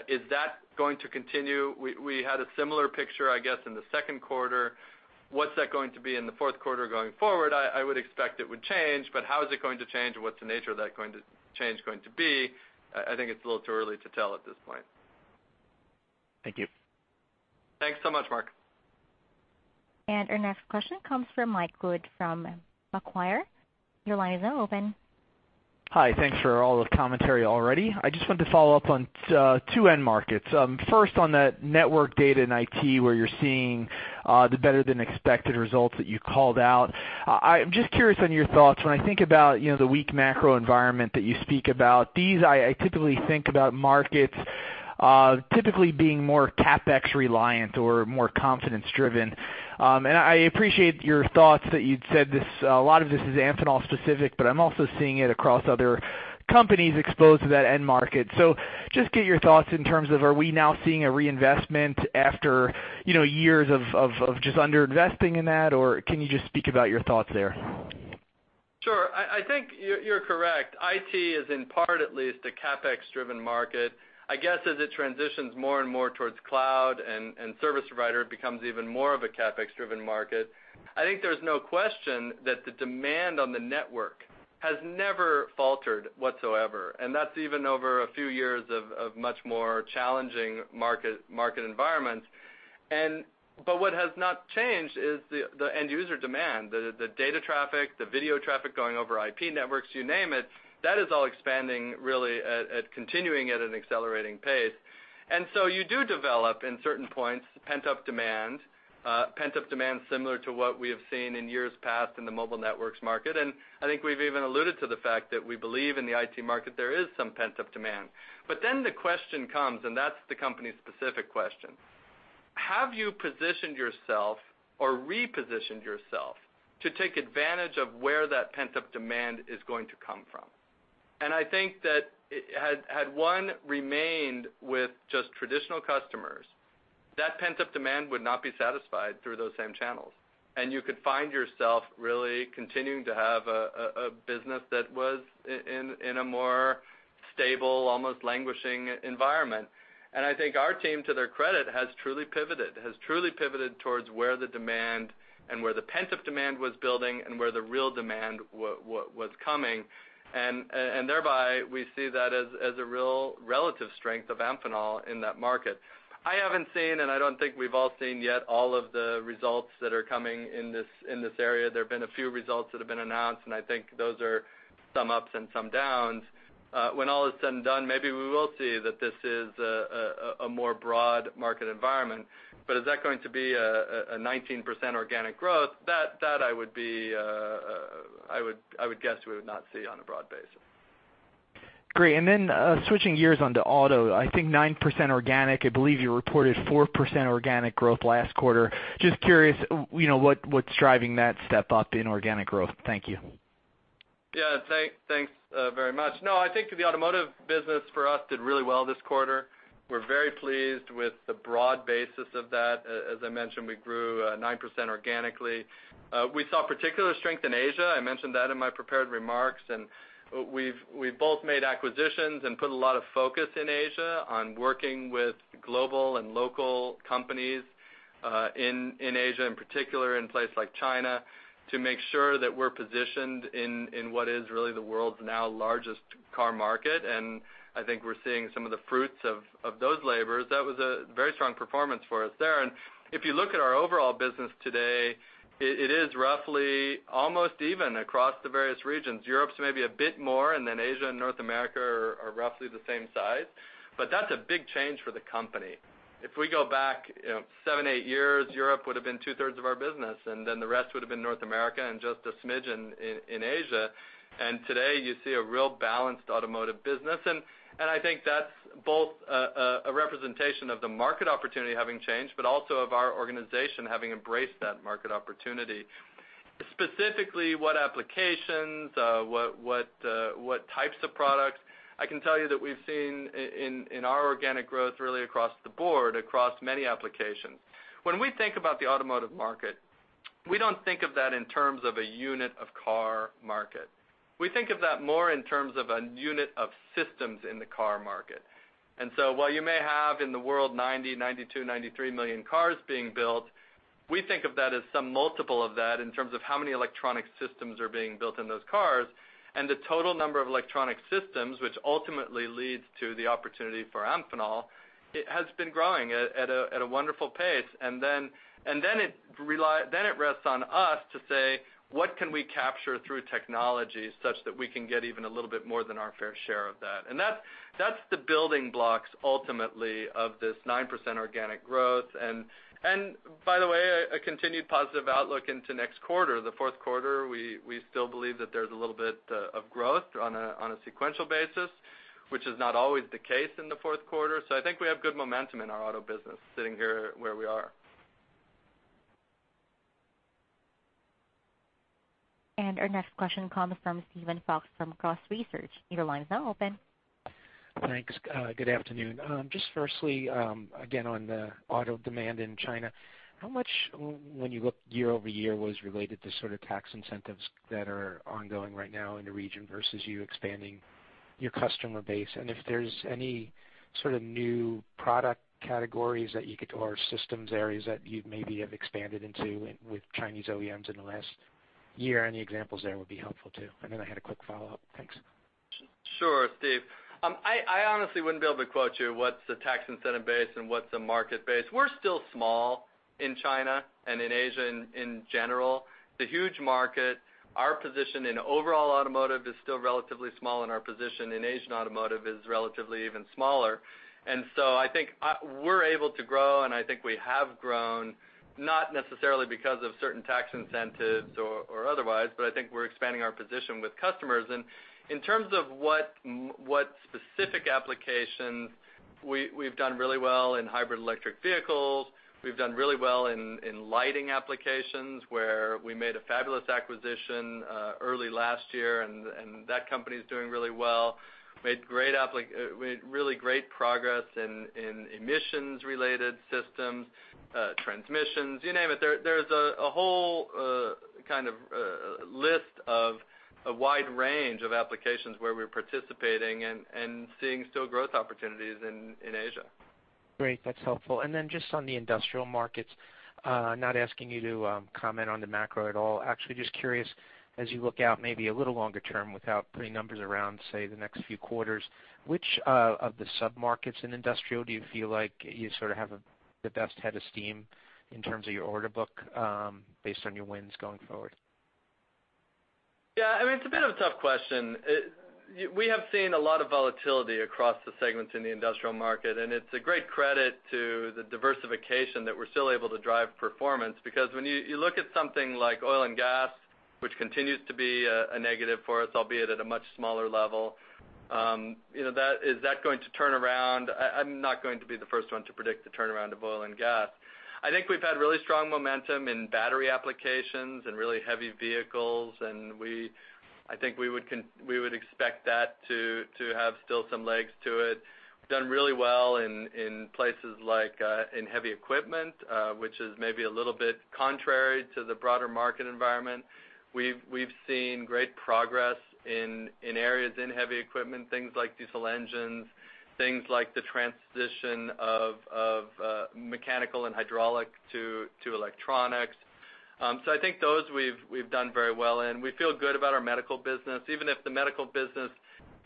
Is that going to continue? We had a similar picture, I guess, in the Q2. What's that going to be in the Q4 going forward? I would expect it would change, but how is it going to change? What's the nature of that change going to be? I think it's a little too early to tell at this point. Thank you. Thanks so much, Mark. And our next question comes from Mike Wood from Macquarie. Your line is now open. Hi. Thanks for all the commentary already. I just wanted to follow up on two end markets. First, on that network data and IT where you're seeing the better-than-expected results that you called out. I'm just curious on your thoughts. When I think about the weak macro environment that you speak about, these I typically think about markets typically being more CapEx-reliant or more confidence-driven. And I appreciate your thoughts that you'd said a lot of this is Amphenol-specific, but I'm also seeing it across other companies exposed to that end market. So, just get your thoughts in terms of are we now seeing a reinvestment after years of just underinvesting in that, or can you just speak about your thoughts there? Sure. I think you're correct. IT is in part, at least, a CapEx-driven market. I guess as it transitions more and more towards cloud and service provider, it becomes even more of a CapEx-driven market. I think there's no question that the demand on the network has never faltered whatsoever. And that's even over a few years of much more challenging market environments. But what has not changed is the end-user demand. The data traffic, the video traffic going over IP networks, you name it, that is all expanding really at continuing at an accelerating pace. So you do develop, in certain points, pent-up demand, pent-up demand similar to what we have seen in years past in the mobile networks market. I think we've even alluded to the fact that we believe in the IT market there is some pent-up demand. But then the question comes, and that's the company-specific question. Have you positioned yourself or repositioned yourself to take advantage of where that pent-up demand is going to come from? I think that had one remained with just traditional customers, that pent-up demand would not be satisfied through those same channels. You could find yourself really continuing to have a business that was in a more stable, almost languishing environment. And I think our team, to their credit, has truly pivoted, has truly pivoted towards where the demand and where the pent-up demand was building and where the real demand was coming. And thereby, we see that as a real relative strength of Amphenol in that market. I haven't seen, and I don't think we've all seen yet, all of the results that are coming in this area. There have been a few results that have been announced, and I think those are some ups and some downs. When all is said and done, maybe we will see that this is a more broad market environment. But is that going to be a 19% organic growth? That I would guess we would not see on a broad basis. Great. And then switching gears onto auto, I think 9% organic. I believe you reported 4% organic growth last quarter. Just curious what's driving that step up in organic growth. Thank you. Yeah. Thanks very much. No, I think the automotive business for us did really well this quarter. We're very pleased with the broad basis of that. As I mentioned, we grew 9% organically. We saw particular strength in Asia. I mentioned that in my prepared remarks. We've both made acquisitions and put a lot of focus in Asia on working with global and local companies in Asia, in particular in a place like China, to make sure that we're positioned in what is really the world's now largest car market. I think we're seeing some of the fruits of those labors. That was a very strong performance for us there. If you look at our overall business today, it is roughly almost even across the various regions. Europe's maybe a bit more, and then Asia and North America are roughly the same size. But that's a big change for the company. If we go back 7, 8 years, Europe would have been 2/3 of our business, and then the rest would have been North America and just a smidgen in Asia. And today, you see a real balanced automotive business. And I think that's both a representation of the market opportunity having changed, but also of our organization having embraced that market opportunity. Specifically, what applications, what types of products? I can tell you that we've seen in our organic growth really across the board, across many applications. When we think about the automotive market, we don't think of that in terms of a unit of car market. We think of that more in terms of a unit of systems in the car market. While you may have in the world 90, 92, 93 million cars being built, we think of that as some multiple of that in terms of how many electronic systems are being built in those cars. The total number of electronic systems, which ultimately leads to the opportunity for Amphenol, has been growing at a wonderful pace. Then it rests on us to say, "What can we capture through technology such that we can get even a little bit more than our fair share of that?" That's the building blocks ultimately of this 9% organic growth. By the way, a continued positive outlook into next quarter. The Q4, we still believe that there's a little bit of growth on a sequential basis, which is not always the case in the Q4. So I think we have good momentum in our auto business sitting here where we are. And our next question comes from Steven Fox from Cross Research. Your line is now open. Thanks. Good afternoon. Just firstly, again, on the auto demand in China, how much, when you look year-over-year, was related to sort of tax incentives that are ongoing right now in the region versus you expanding your customer base? And if there's any sort of new product categories or systems areas that you maybe have expanded into with Chinese OEMs in the last year, any examples there would be helpful too. And then I had a quick follow-up. Thanks. Sure, Steve. I honestly wouldn't be able to quote you what's the tax incentive base and what's the market base. We're still small in China and in Asia in general. The huge market, our position in overall automotive is still relatively small, and our position in Asian automotive is relatively even smaller. So I think we're able to grow, and I think we have grown not necessarily because of certain tax incentives or otherwise, but I think we're expanding our position with customers. In terms of what specific applications we've done really well in hybrid electric vehicles, we've done really well in lighting applications where we made a fabulous acquisition early last year, and that company is doing really well. Made really great progress in emissions-related systems, transmissions, you name it. There's a whole kind of list of a wide range of applications where we're participating and seeing still growth opportunities in Asia. Great. That's helpful. Then just on the industrial markets, not asking you to comment on the macro at all. Actually, just curious, as you look out maybe a little longer term without putting numbers around, say, the next few quarters, which of the sub-markets in industrial do you feel like you sort of have the best head of steam in terms of your order book based on your wins going forward? Yeah. I mean, it's a bit of a tough question. We have seen a lot of volatility across the segments in the industrial market, and it's a great credit to the diversification that we're still able to drive performance because when you look at something like oil and gas, which continues to be a negative for us, albeit at a much smaller level, is that going to turn around? I'm not going to be the first one to predict the turnaround of oil and gas. I think we've had really strong momentum in battery applications and really heavy vehicles, and I think we would expect that to have still some legs to it. We've done really well in places like in heavy equipment, which is maybe a little bit contrary to the broader market environment. We've seen great progress in areas in heavy equipment, things like diesel engines, things like the transition of mechanical and hydraulic to electronics. So I think those we've done very well in. We feel good about our medical business, even if the medical business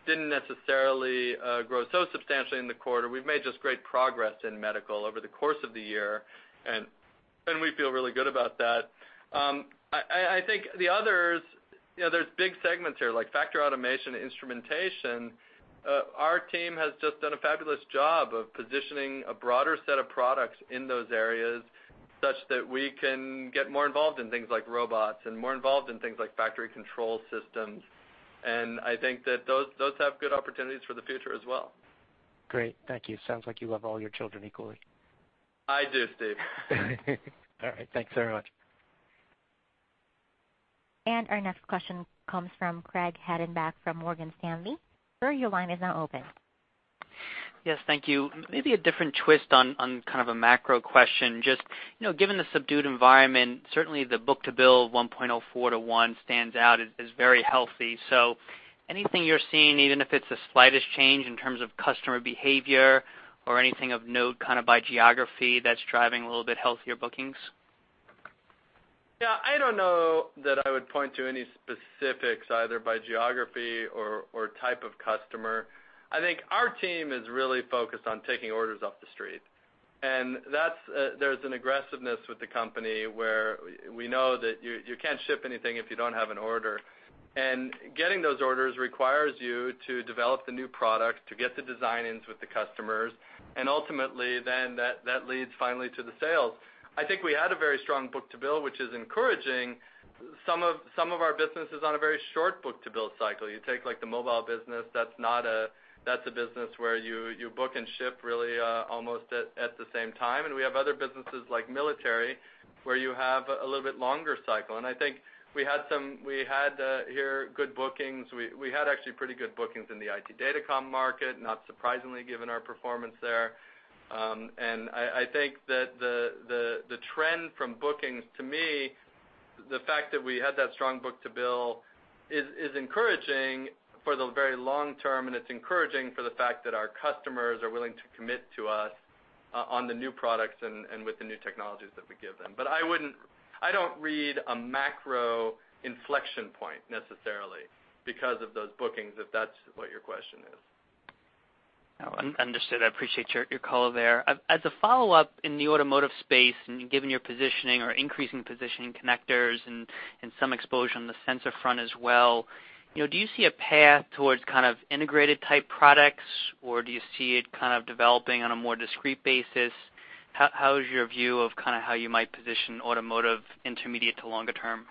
didn't necessarily grow so substantially in the quarter. We've made just great progress in medical over the course of the year, and we feel really good about that. I think the others, there's big segments here like factory automation and instrumentation. Our team has just done a fabulous job of positioning a broader set of products in those areas such that we can get more involved in things like robots and more involved in things like factory control systems. I think that those have good opportunities for the future as well. Great. Thank you. Sounds like you love all your children equally. I do, Steve. All right. Thanks very much. Our next question comes from Craig Hettenbach from Morgan Stanley. Your line is now open. Yes. Thank you. Maybe a different twist on kind of a macro question. Just given the subdued environment, certainly the Book-to-Bill 1.04 to 1 stands out as very healthy. So anything you're seeing, even if it's the slightest change in terms of customer behavior or anything of note kind of by geography that's driving a little bit healthier bookings? Yeah. I don't know that I would point to any specifics either by geography or type of customer. I think our team is really focused on taking orders off the street. There's an aggressiveness with the company where we know that you can't ship anything if you don't have an order. Getting those orders requires you to develop the new product, to get the design-ins with the customers, and ultimately then that leads finally to the sales. I think we had a very strong book-to-bill, which is encouraging. Some of our business is on a very short book-to-bill cycle. You take the mobile business. That's a business where you book and ship really almost at the same time. We have other businesses like military where you have a little bit longer cycle. I think we had here good bookings. We had actually pretty good bookings in the IT datacom market, not surprisingly given our performance there. I think that the trend from bookings to me, the fact that we had that strong book-to-bill is encouraging for the very long term, and it's encouraging for the fact that our customers are willing to commit to us on the new products and with the new technologies that we give them. But I don't read a macro inflection point necessarily because of those bookings if that's what your question is. Understood. I appreciate your call there. As a follow-up in the automotive space, given your positioning or increasing positioning connectors and some exposure on the sensor front as well, do you see a path towards kind of integrated-type products, or do you see it kind of developing on a more discrete basis. How is your view of kind of how you might position automotive intermediate to longer term?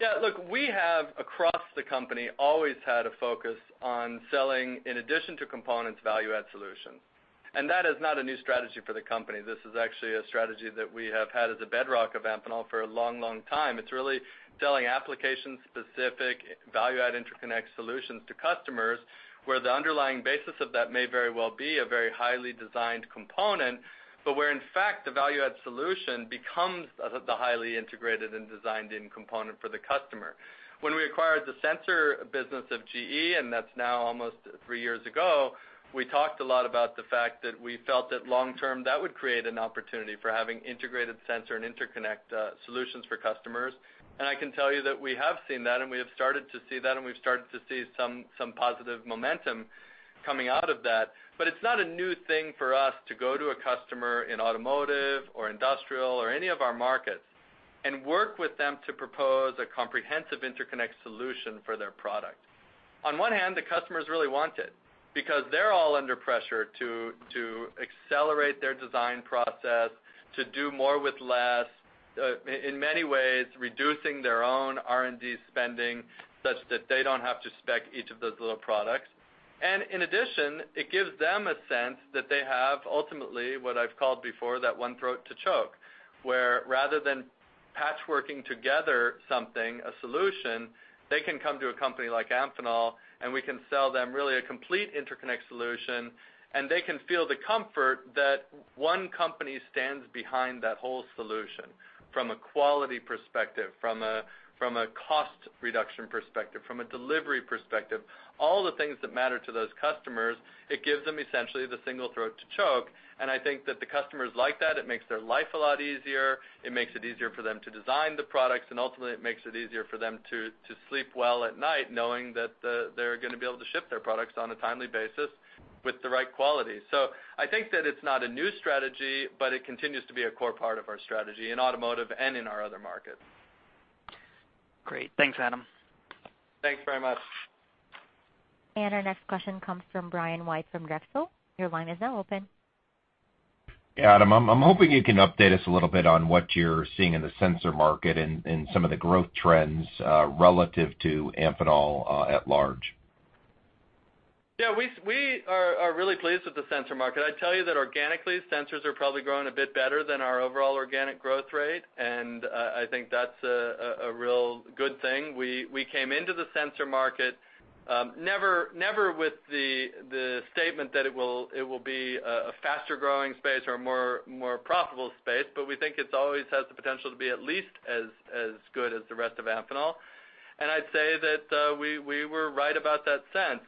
Yeah. Look, we have across the company always had a focus on selling, in addition to components, value-add solutions. And that is not a new strategy for the company. This is actually a strategy that we have had as a bedrock of Amphenol for a long, long time. It's really selling application-specific value-add interconnect solutions to customers where the underlying basis of that may very well be a very highly designed component, but where in fact the value-add solution becomes the highly integrated and designed-in component for the customer. When we acquired the sensor business of GE, and that's now almost three years ago, we talked a lot about the fact that we felt that long-term that would create an opportunity for having integrated sensor and interconnect solutions for customers. I can tell you that we have seen that, and we have started to see that, and we've started to see some positive momentum coming out of that. But it's not a new thing for us to go to a customer in automotive or industrial or any of our markets and work with them to propose a comprehensive interconnect solution for their product. On one hand, the customers really want it because they're all under pressure to accelerate their design process, to do more with less, in many ways reducing their own R&D spending such that they don't have to spec each of those little products. In addition, it gives them a sense that they have ultimately what I've called before that one throat to choke, where rather than patchworking together something, a solution, they can come to a company like Amphenol, and we can sell them really a complete interconnect solution, and they can feel the comfort that one company stands behind that whole solution from a quality perspective, from a cost reduction perspective, from a delivery perspective. All the things that matter to those customers, it gives them essentially the single throat to choke. And I think that the customers like that. It makes their life a lot easier. It makes it easier for them to design the products, and ultimately it makes it easier for them to sleep well at night knowing that they're going to be able to ship their products on a timely basis with the right quality. So I think that it's not a new strategy, but it continues to be a core part of our strategy in automotive and in our other markets. Great. Thanks, Adam. Thanks very much. And our next question comes from Brian White from Drexel. Your line is now open. Hey, Adam. I'm hoping you can update us a little bit on what you're seeing in the sensor market and some of the growth trends relative to Amphenol at large. Yeah. We are really pleased with the sensor market. I tell you that organically, sensors are probably growing a bit better than our overall organic growth rate, and I think that's a real good thing. We came into the sensor market never with the statement that it will be a faster growing space or a more profitable space, but we think it always has the potential to be at least as good as the rest of Amphenol. And I'd say that we were right about that sense.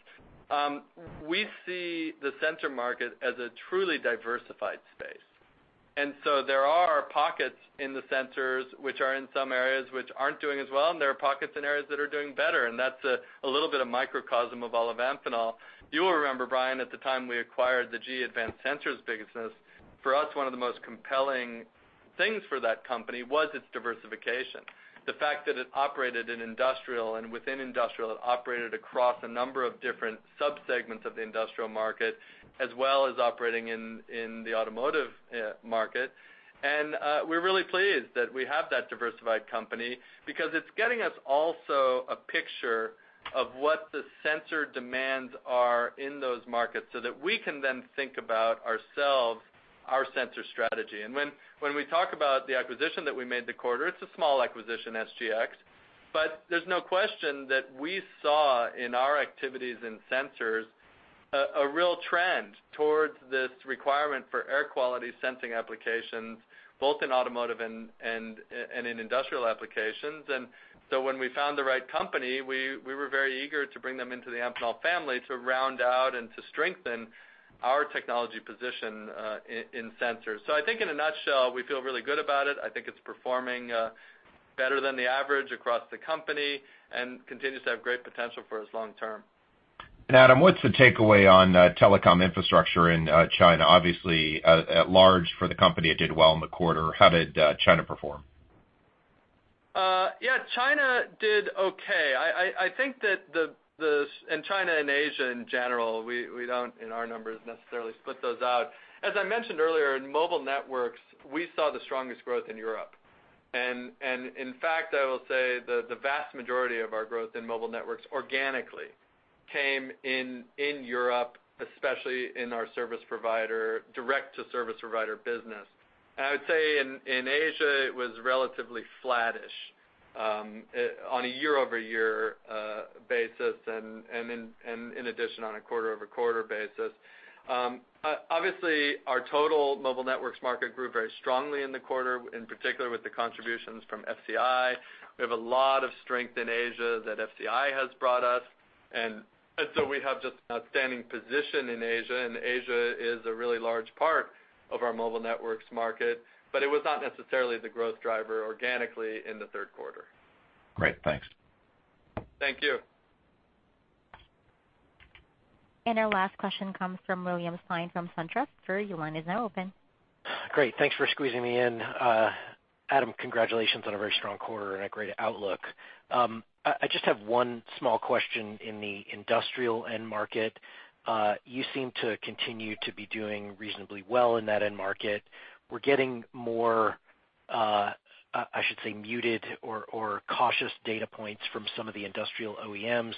We see the sensor market as a truly diversified space. And so there are pockets in the sensors which are in some areas which aren't doing as well, and there are pockets in areas that are doing better. And that's a little bit of microcosm of all of Amphenol. You will remember, Brian, at the time we acquired the GE Advanced Sensors business, for us, one of the most compelling things for that company was its diversification. The fact that it operated in industrial and within industrial, it operated across a number of different sub-segments of the industrial market as well as operating in the automotive market. And we're really pleased that we have that diversified company because it's getting us also a picture of what the sensor demands are in those markets so that we can then think about ourselves our sensor strategy. And when we talk about the acquisition that we made the quarter, it's a small acquisition, SGX, but there's no question that we saw in our activities in sensors a real trend towards this requirement for air quality sensing applications, both in automotive and in industrial applications. And so when we found the right company, we were very eager to bring them into the Amphenol family to round out and to strengthen our technology position in sensors. So I think in a nutshell, we feel really good about it. I think it's performing better than the average across the company and continues to have great potential for us long-term. And Adam, what's the takeaway on telecom infrastructure in China? Obviously, at large for the company, it did well in the quarter. How did China perform? Yeah. China did okay. I think that the and China and Asia in general, we don't in our numbers necessarily split those out. As I mentioned earlier, in mobile networks, we saw the strongest growth in Europe. And in fact, I will say the vast majority of our growth in mobile networks organically came in Europe, especially in our service provider direct-to-service provider business. And I would say in Asia, it was relatively flattish on a year-over-year basis and in addition on a quarter-over-quarter basis. Obviously, our total mobile networks market grew very strongly in the quarter, in particular with the contributions from FCI. We have a lot of strength in Asia that FCI has brought us. And so we have just an outstanding position in Asia, and Asia is a really large part of our mobile networks market, but it was not necessarily the growth driver organically in the Q3. Great. Thanks. Thank you. And our last question comes from William Stein from SunTrust. Your line is now open. Great. Thanks for squeezing me in. Adam, congratulations on a very strong quarter and a great outlook. I just have one small question in the industrial end market. You seem to continue to be doing reasonably well in that end market. We're getting more, I should say, muted or cautious data points from some of the industrial OEMs.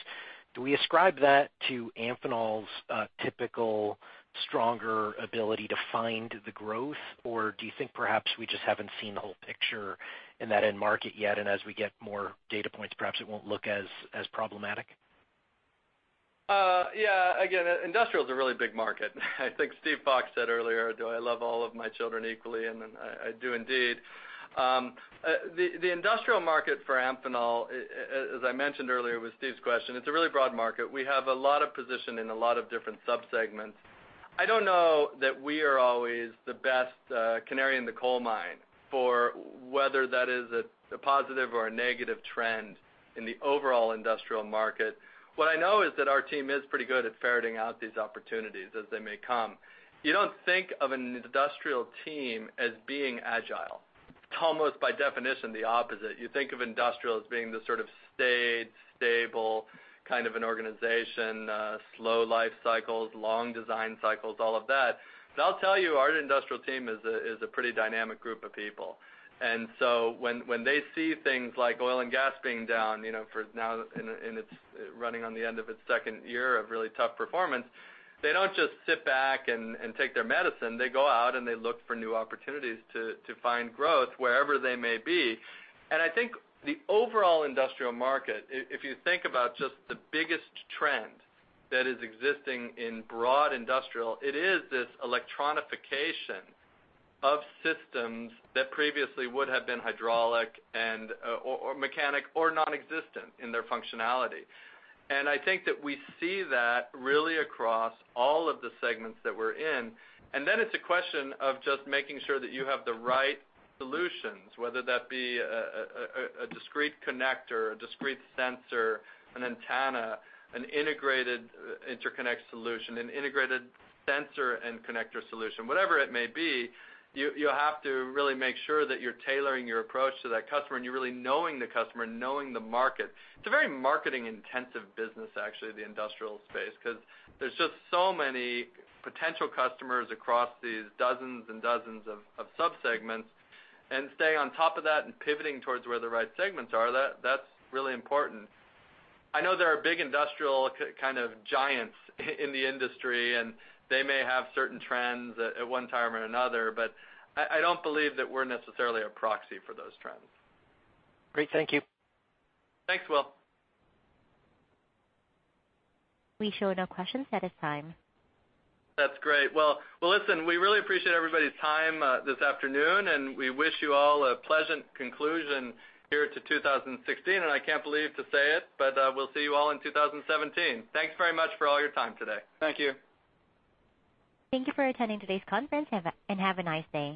Do we ascribe that to Amphenol's typical stronger ability to find the growth, or do you think perhaps we just haven't seen the whole picture in that end market yet? And as we get more data points, perhaps it won't look as problematic? Yeah. Again, industrial is a really big market. I think Steven Fox said earlier, "Do I love all of my children equally?" And I do indeed. The industrial market for Amphenol, as I mentioned earlier with Steve's question, it's a really broad market. We have a lot of position in a lot of different sub-segments. I don't know that we are always the best canary in the coal mine for whether that is a positive or a negative trend in the overall industrial market. What I know is that our team is pretty good at ferreting out these opportunities as they may come. You don't think of an industrial team as being agile. It's almost by definition the opposite. You think of industrial as being the sort of staid, stable kind of an organization, slow life cycles, long design cycles, all of that. But I'll tell you, our industrial team is a pretty dynamic group of people. And so when they see things like oil and gas being down for now, and it's running on the end of its second year of really tough performance, they don't just sit back and take their medicine. They go out and they look for new opportunities to find growth wherever they may be. And I think the overall industrial market, if you think about just the biggest trend that is existing in broad industrial, it is this electronification of systems that previously would have been hydraulic or mechanical or nonexistent in their functionality. And I think that we see that really across all of the segments that we're in. And then it's a question of just making sure that you have the right solutions, whether that be a discrete connector, a discrete sensor, an antenna, an integrated interconnect solution, an integrated sensor and connector solution, whatever it may be. You have to really make sure that you're tailoring your approach to that customer and you're really knowing the customer and knowing the market. It's a very marketing-intensive business, actually, the industrial space, because there's just so many potential customers across these dozens and dozens of sub-segments. And staying on top of that and pivoting towards where the right segments are, that's really important. I know there are big industrial kind of giants in the industry, and they may have certain trends at one time or another, but I don't believe that we're necessarily a proxy for those trends. Great. Thank you. Thanks, Will. We show no questions at this time. That's great. Well, listen, we really appreciate everybody's time this afternoon, and we wish you all a pleasant conclusion here to 2016. And I can't believe to say it, but we'll see you all in 2017. Thanks very much for all your time today. Thank you. Thank you for attending today's conference, and have a nice day.